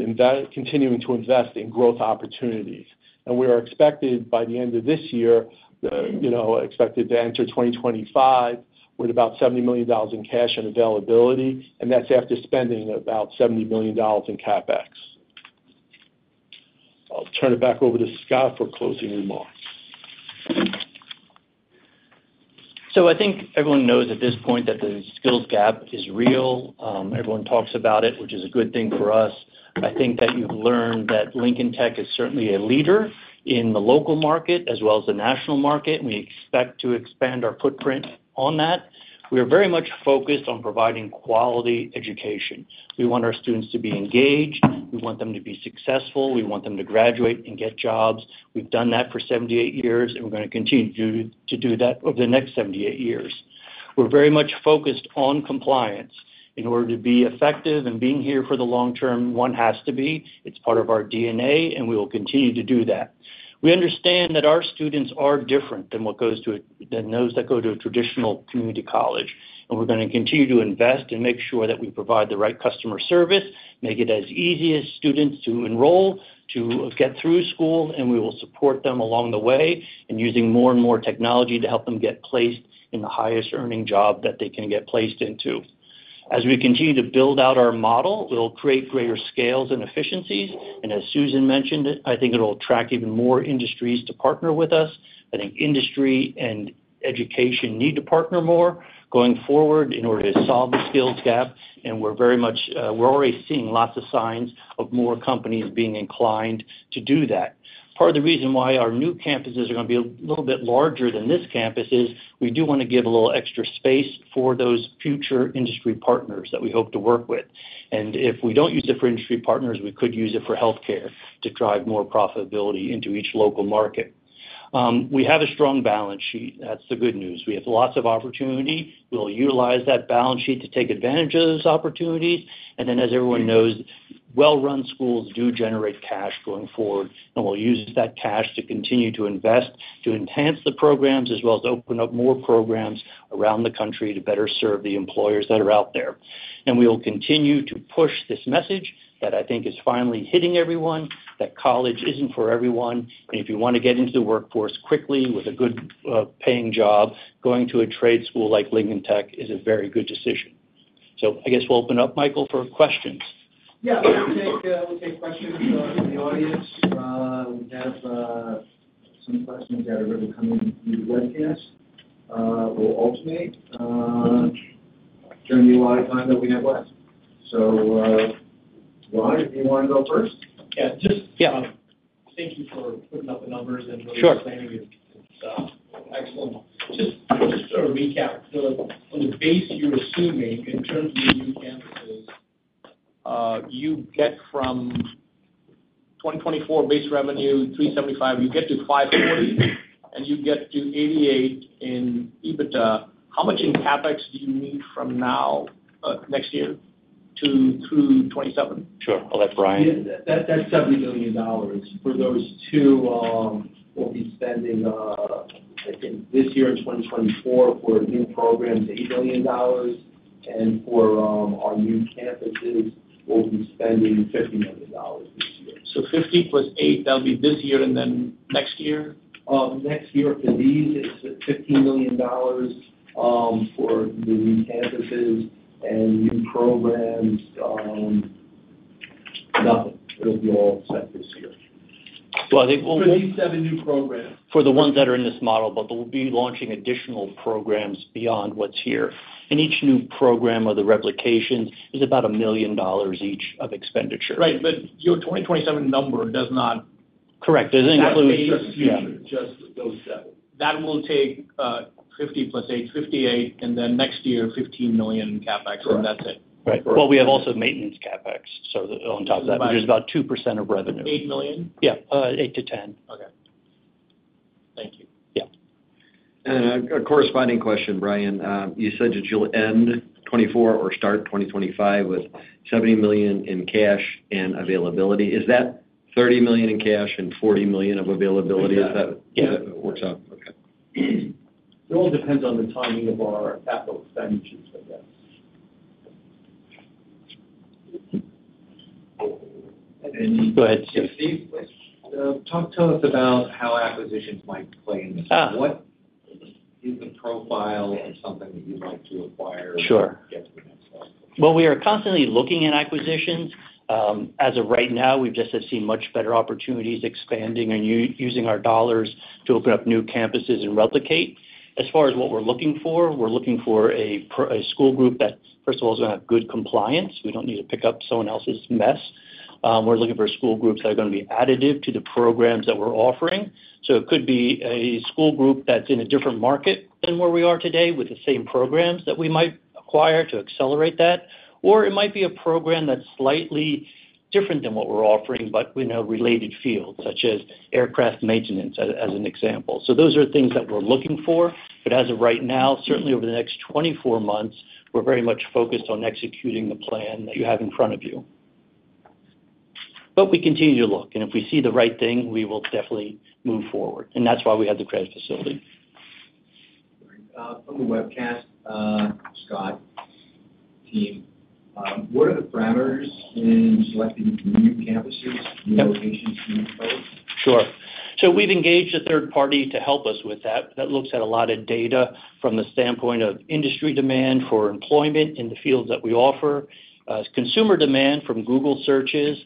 continuing to invest in growth opportunities, and we are expected, by the end of this year, you know, expected to enter 2025 with about $70 million in cash and availability, and that's after spending about $70 million in CapEx. I'll turn it back over to Scott for closing remarks. ... So I think everyone knows at this point that the skills gap is real. Everyone talks about it, which is a good thing for us. I think that you've learned that Lincoln Tech is certainly a leader in the local market as well as the national market, and we expect to expand our footprint on that. We are very much focused on providing quality education. We want our students to be engaged. We want them to be successful. We want them to graduate and get jobs. We've done that for 78 years, and we're gonna continue to do that over the next 78 years. We're very much focused on compliance. In order to be effective and being here for the long term, one has to be. It's part of our DNA, and we will continue to do that. We understand that our students are different than those that go to a traditional community college, and we're gonna continue to invest and make sure that we provide the right customer service, make it as easy as students to enroll, to get through school, and we will support them along the way, and using more and more technology to help them get placed in the highest-earning job that they can get placed into. As we continue to build out our model, it'll create greater scales and efficiencies, and as Susan mentioned it, I think it'll attract even more industries to partner with us. I think industry and education need to partner more going forward in order to solve the skills gap, and we're very much, we're already seeing lots of signs of more companies being inclined to do that. Part of the reason why our new campuses are gonna be a little bit larger than this campus is we do want to give a little extra space for those future industry partners that we hope to work with. If we don't use it for industry partners, we could use it for healthcare to drive more profitability into each local market. We have a strong balance sheet. That's the good news. We have lots of opportunity. We'll utilize that balance sheet to take advantage of those opportunities. As everyone knows, well-run schools do generate cash going forward, and we'll use that cash to continue to invest, to enhance the programs, as well as open up more programs around the country to better serve the employers that are out there. We will continue to push this message that I think is finally hitting everyone, that college isn't for everyone, and if you want to get into the workforce quickly with a good, paying job, going to a trade school like Lincoln Tech is a very good decision. So I guess we'll open up, Michael, for questions. Yeah, we'll take, we'll take questions from the audience. We have, some questions that are going to come in through the webcast. We'll alternate, during the amount of time that we have left. So, Ryan, do you want to go first? Yeah, just- Yeah. Thank you for putting up the numbers and Sure. really explaining it. It's excellent. Just to recap, so on the base you're assuming in terms of new campuses, you get from 2024 base revenue, $375, you get to $540, and you get to $88 in EBITDA. How much in CapEx do you need from now, next year to through 2027? Sure. I'll let Brian- Yeah, that, that's $70 million. For those two, we'll be spending, I think this year in 2024 for new programs, $8 million, and for our new campuses, we'll be spending $50 million this year. 50 + 8, that'll be this year and then next year? Next year for these, it's $15 million for the new campuses and new programs, nothing. It'll be all set this year. Well, I think we'll- For these seven new programs. For the ones that are in this model, but we'll be launching additional programs beyond what's here. Each new program or the replications is about $1 million each of expenditure. Right. But your 2027 number does not- Correct. It doesn't include- That's just those seven. That will take 50 + 8, 58, and then next year, $15 million in CapEx- Correct. And that's it? Right. Correct. Well, we have also maintenance CapEx, so on top of that, which is about 2% of revenue. Eight million? Yeah, 8-10. Okay. Thank you. Yeah. A corresponding question, Brian. You said that you'll end 2024 or start 2025 with $70 million in cash and availability. Is that $30 million in cash and $40 million of availability? Exactly. Is that- Yeah. It works out. Okay. It all depends on the timing of our capital expenditures for this. Go ahead, Steve. Steve, talk to us about how acquisitions might play into this. Ah. What is the profile of something that you'd like to acquire? Sure. Get to that side. Well, we are constantly looking at acquisitions. As of right now, we've just seen much better opportunities expanding and using our dollars to open up new campuses and replicate. As far as what we're looking for, we're looking for a school group that, first of all, is gonna have good compliance. We don't need to pick up someone else's mess. We're looking for school groups that are gonna be additive to the programs that we're offering. So it could be a school group that's in a different market than where we are today with the same programs that we might acquire to accelerate that, or it might be a program that's slightly different than what we're offering, but in a related field, such as aircraft maintenance, as an example. So those are things that we're looking for. As of right now, certainly over the next 24 months, we're very much focused on executing the plan that you have in front of you. We continue to look, and if we see the right thing, we will definitely move forward, and that's why we have the credit facility. From the webcast, Scott team, what are the parameters in selecting new campuses and locations for you? Sure. So we've engaged a third party to help us with that. That looks at a lot of data from the standpoint of industry demand for employment in the fields that we offer, consumer demand from Google searches,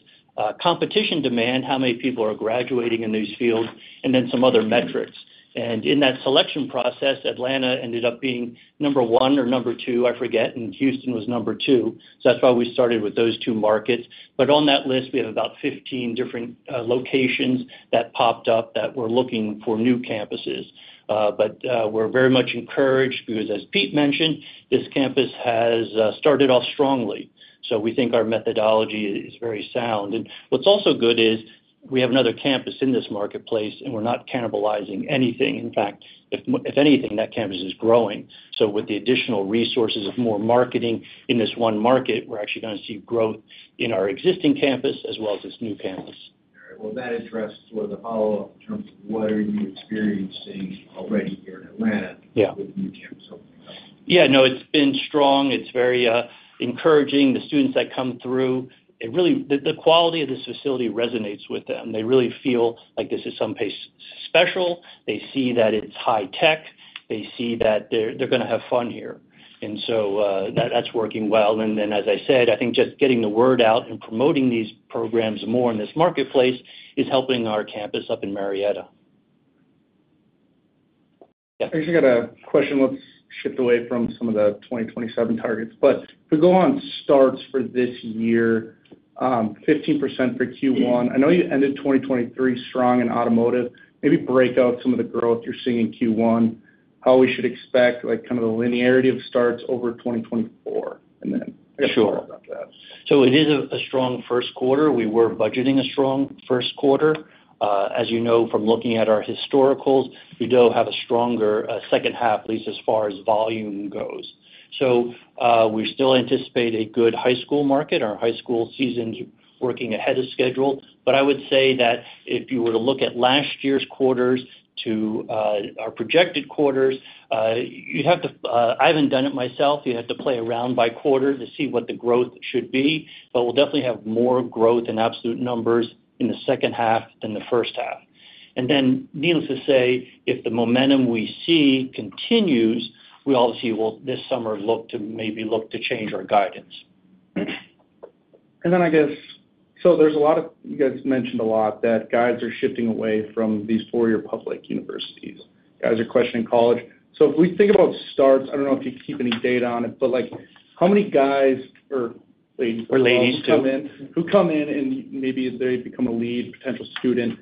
competition demand, how many people are graduating in these fields, and then some other metrics. And in that selection process, Atlanta ended up being number one or number two, I forget, and Houston was number two. So that's why we started with those two markets. But on that list, we have about 15 different locations that popped up that we're looking for new campuses. But we're very much encouraged because, as Pete mentioned, this campus has started off strongly. So we think our methodology is very sound. And what's also good is we have another campus in this marketplace, and we're not cannibalizing anything. In fact, if anything, that campus is growing. So with the additional resources of more marketing in this one market, we're actually gonna see growth in our existing campus as well as this new campus. All right. Well, that addresses sort of the follow-up in terms of what are you experiencing already here in Atlanta- Yeah with the new campus opening up? Yeah, no, it's been strong. It's very, encouraging. The students that come through, it really, the quality of this facility resonates with them. They really feel like this is someplace special. They see that it's high tech. They see that they're gonna have fun here. And so, that's working well. And then, as I said, I think just getting the word out and promoting these programs more in this marketplace is helping our campus up in Marietta. I actually got a question, let's shift away from some of the 2027 targets. But to go on starts for this year, 15% for Q1. I know you ended 2023 strong in automotive. Maybe break out some of the growth you're seeing in Q1, how we should expect, like, kind of the linearity of starts over 2024, and then- Sure -about that. So it is a strong first quarter. We were budgeting a strong first quarter. As you know, from looking at our historicals, we do have a stronger second half, at least as far as volume goes. So, we still anticipate a good high school market. Our high school season's working ahead of schedule. But I would say that if you were to look at last year's quarters to our projected quarters, you'd have to. I haven't done it myself, you'd have to play around by quarter to see what the growth should be, but we'll definitely have more growth in absolute numbers in the second half than the first half. And then, needless to say, if the momentum we see continues, we obviously will, this summer, look to maybe look to change our guidance. Then, I guess, so there's a lot of you guys mentioned a lot that guys are shifting away from these four-year public universities, guys are questioning college. So if we think about starts, I don't know if you keep any data on it, but, like, how many guys or ladies- Or ladies, too —who come in, and maybe they become a lead potential student,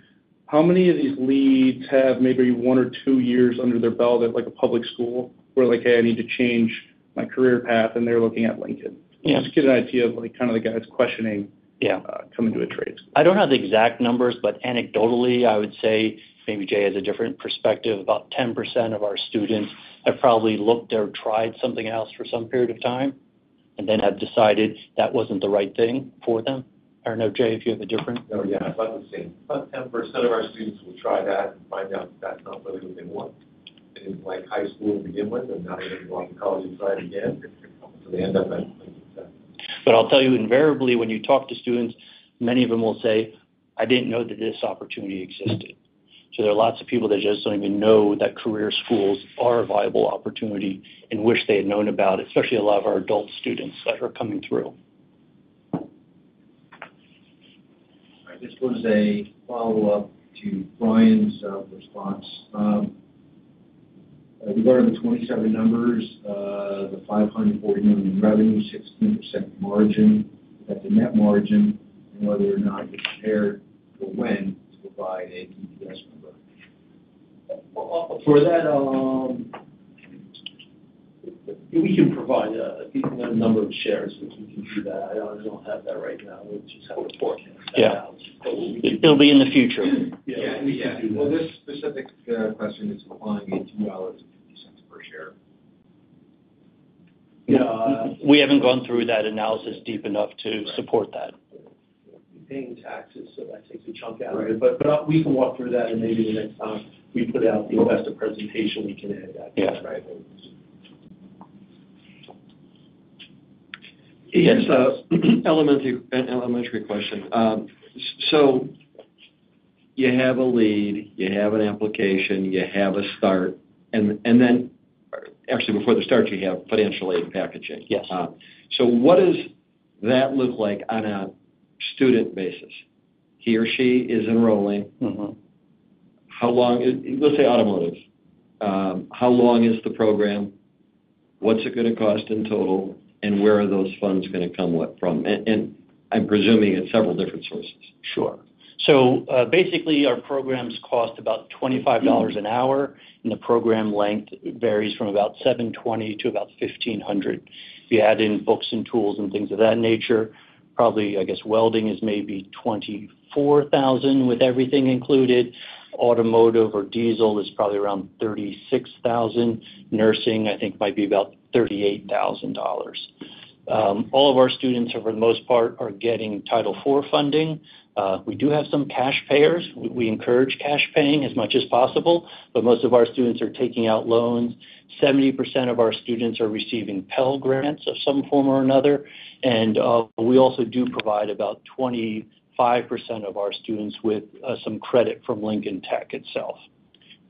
how many of these leads have maybe one or two years under their belt at, like, a public school, where like, "Hey, I need to change my career path," and they're looking at Lincoln? Yeah. Just to get an idea of, like, kind of the guys questioning- Yeah Coming to a trades. I don't have the exact numbers, but anecdotally, I would say, maybe Jay has a different perspective, about 10% of our students have probably looked or tried something else for some period of time, and then have decided that wasn't the right thing for them. I don't know, Jay, if you have a different- No, yeah, about the same. About 10% of our students will try that and find out that's not really what they want. It isn't like high school to begin with, and now they're going to college and try it again, so they end up at Lincoln Tech. But I'll tell you, invariably, when you talk to students, many of them will say, "I didn't know that this opportunity existed." So there are lots of people that just don't even know that career schools are a viable opportunity and wish they had known about it, especially a lot of our adult students that are coming through. All right, this was a follow-up to Brian's response. Regarding the 27 numbers, the $540 million in revenue, 16% margin at the net margin, and whether or not you're prepared for when to provide an EPS number. For that, we can provide a number of shares, which we can do that. I don't have that right now. We'll just have to forecast that out. Yeah. But it'll be in the future. Yeah, yeah. Well, this specific question is applying it to $1.50 per share. Yeah, we haven't gone through that analysis deep enough to- Right -support that. Paying taxes, so that takes a chunk out of it. But we can walk through that, and maybe the next time we put out the investor presentation, we can add that. Yeah. Right. Yes, elementary, an elementary question. So you have a lead, you have an application, you have a start, and then, actually, before the start, you have financial aid packaging. Yes. What does that look like on a student basis? He or she is enrolling. Mm-hmm. How long... Let's say automotive. How long is the program? What's it gonna cost in total, and where are those funds gonna come from? And, and I'm presuming it's several different sources. Sure. So, basically, our programs cost about $25 an hour, and the program length varies from about 720 to about 1,500. You add in books and tools and things of that nature, probably, I guess, welding is maybe $24,000 with everything included. Automotive or diesel is probably around $36,000. Nursing, I think, might be about $38,000. All of our students, for the most part, are getting Title IV funding. We do have some cash payers. We encourage cash paying as much as possible, but most of our students are taking out loans. 70% of our students are receiving Pell Grants of some form or another, and we also do provide about 25% of our students with some credit from Lincoln Tech itself. ...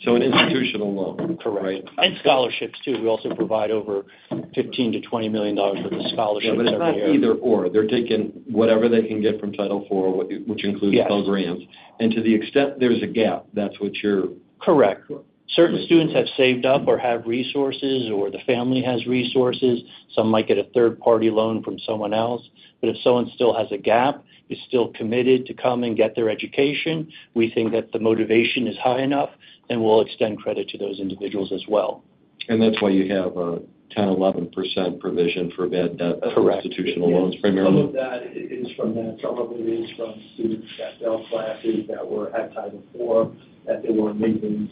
So an institutional loan? Correct. And scholarships, too. We also provide over $15 million-$20 million worth of scholarships every year. Yeah, but it's not either/or. They're taking whatever they can get from Title IV, which includes Pell Grants. Yes. To the extent there's a gap, that's what you're- Correct. Cool. Certain students have saved up or have resources, or the family has resources. Some might get a third-party loan from someone else. But if someone still has a gap, is still committed to come and get their education, we think that the motivation is high enough, then we'll extend credit to those individuals as well. That's why you have a 10%-11% provision for bad debt- Correct For institutional loans, primarily? Some of that is from that. Some of it is from students that fail classes, that were at Title IV, that they weren't making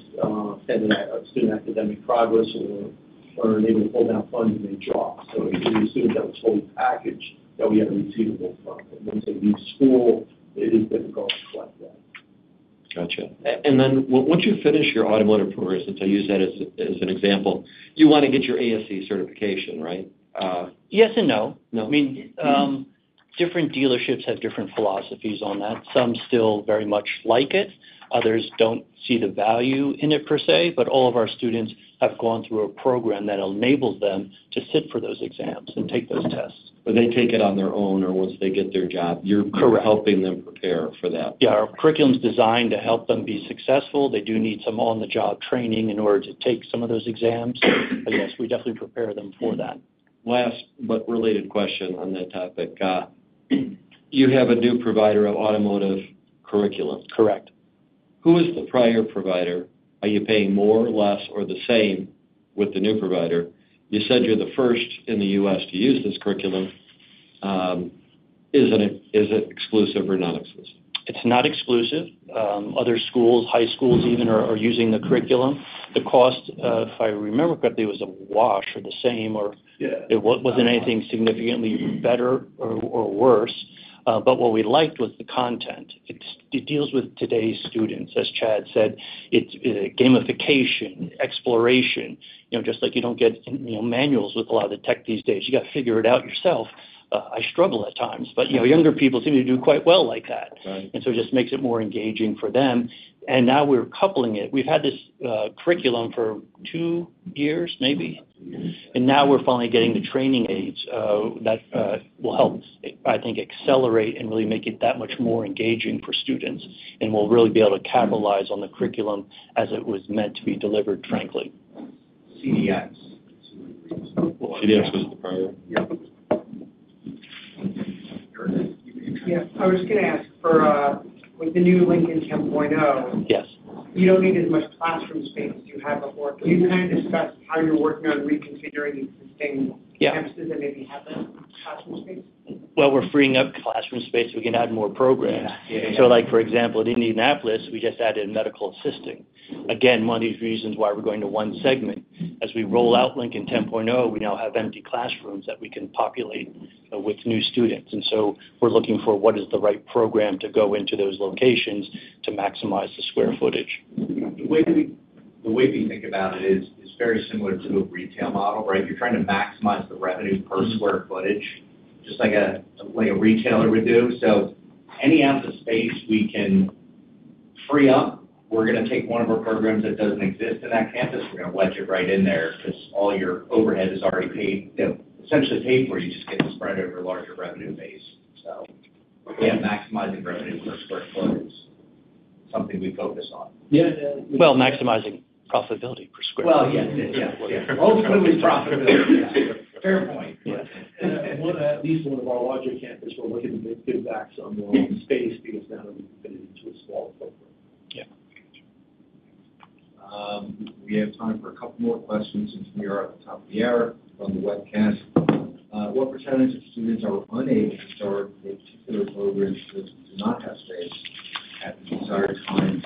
student academic progress or unable to hold down funds, and they drop. So it could be a student that was totally packaged, that we had a receivable from. And once they leave school, it is difficult to collect that. Gotcha. And then once you finish your automotive program, since I use that as an example, you want to get your ASE certification, right? Yes and no. No? I mean, different dealerships have different philosophies on that. Some still very much like it, others don't see the value in it per se, but all of our students have gone through a program that enables them to sit for those exams and take those tests. But they take it on their own, or once they get their job. Correct. You're helping them prepare for that. Yeah, our curriculum is designed to help them be successful. They do need some on-the-job training in order to take some of those exams, but yes, we definitely prepare them for that. Last, but related question on that topic. You have a new provider of automotive curriculum? Correct. Who is the prior provider? Are you paying more, less, or the same with the new provider? You said you're the first in the US to use this curriculum. Is it exclusive or non-exclusive? It's not exclusive. Other schools, high schools even, are using the curriculum. The cost, if I remember correctly, it was a wash or the same, or- Yeah. It wasn't anything significantly better or, or worse. But what we liked was the content. It's. It deals with today's students, as Chad said. It's gamification, exploration. You know, just like you don't get manuals with a lot of the tech these days, you got to figure it out yourself. I struggle at times, but, you know, younger people seem to do quite well like that. Right. And so it just makes it more engaging for them. And now we're coupling it. We've had this, curriculum for two years, maybe. Yes. Now we're finally getting the training aids that will help, I think, accelerate and really make it that much more engaging for students. We'll really be able to capitalize on the curriculum as it was meant to be delivered, frankly. CDX. CDX was the prior? Yep. Yeah. I was just going to ask for, with the new Lincoln 10.0- Yes... You don't need as much classroom space as you had before. Can you kind of discuss how you're working on reconfiguring the existing? Yeah campuses that maybe have that classroom space? Well, we're freeing up classroom space, so we can add more programs. Yeah. And so, like, for example, in Indianapolis, we just added medical assisting. Again, one of the reasons why we're going to one segment. As we roll out Lincoln 10.0, we now have empty classrooms that we can populate with new students. And so we're looking for what is the right program to go into those locations to maximize the square footage. The way we think about it is very similar to a retail model, right? You're trying to maximize the revenue per square footage, just like a retailer would do. So any ounce of space we can free up, we're gonna take one of our programs that doesn't exist in that campus, we're gonna wedge it right in there because all your overhead is already paid, you know, essentially paid for. You just get to spread it over a larger revenue base. So yeah, maximizing revenue per square foot is something we focus on. Yeah, yeah. Well, maximizing profitability per square foot. Well, yes. Yes. Yeah. Ultimately, profitability. Fair point. Yes. At least one of our larger campuses, we're looking to give back some more space because now we've fitted into a smaller program. Yeah. We have time for a couple more questions since we are at the top of the hour on the webcast. What percentage of students are unaged or a particular program does not have space at the desired time?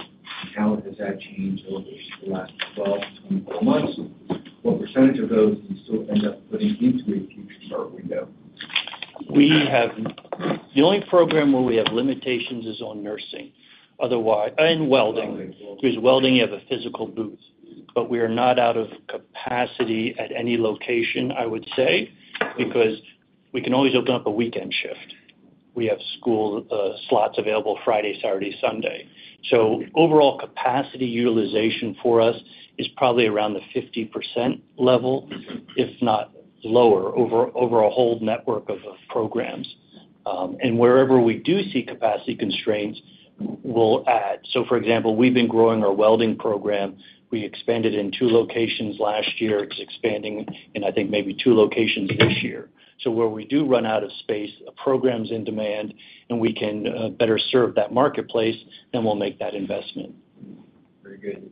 How has that changed over the last 12-24 months? What percentage of those do you still end up putting into a future start window? We have the only program where we have limitations is on nursing. Otherwise... and welding. Welding. Because welding, you have a physical booth. But we are not out of capacity at any location, I would say, because we can always open up a weekend shift. We have school, slots available Friday, Saturday, Sunday. So overall capacity utilization for us is probably around the 50% level, if not lower, over a whole network of programs. And wherever we do see capacity constraints, we'll add. So for example, we've been growing our welding program. We expanded in two locations last year. It's expanding in, I think, maybe two locations this year. So where we do run out of space, a program's in demand, and we can better serve that marketplace, then we'll make that investment. Very good.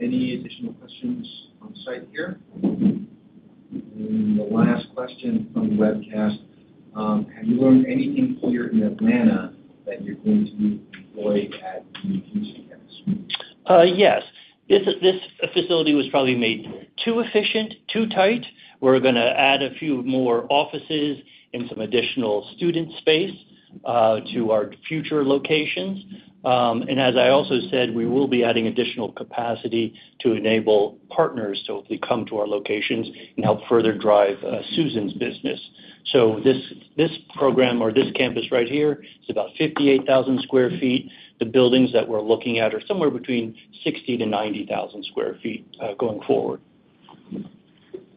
Any additional questions on site here? Then the last question from the webcast: have you learned anything here in Atlanta that you're going to deploy at the Houston campus? Yes. This, this facility was probably made too efficient, too tight. We're gonna add a few more offices and some additional student space to our future locations. And as I also said, we will be adding additional capacity to enable partners to hopefully come to our locations and help further drive Susan's business. So this, this program or this campus right here is about 58,000 sq ft. The buildings that we're looking at are somewhere between 60,000-90,000 sq ft going forward.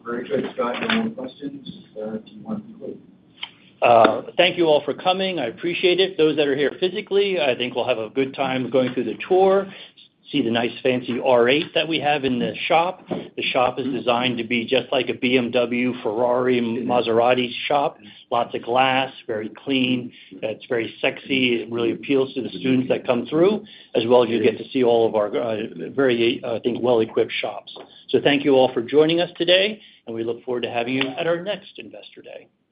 Very good. Scott, any more questions? Do you want to conclude? Thank you all for coming. I appreciate it. Those that are here physically, I think we'll have a good time going through the tour. See the nice fancy R8 that we have in the shop. The shop is designed to be just like a BMW, Ferrari, Maserati shop. Lots of glass, very clean, it's very sexy. It really appeals to the students that come through, as well as you'll get to see all of our very, I think, well-equipped shops. So thank you all for joining us today, and we look forward to having you at our next Investor Day.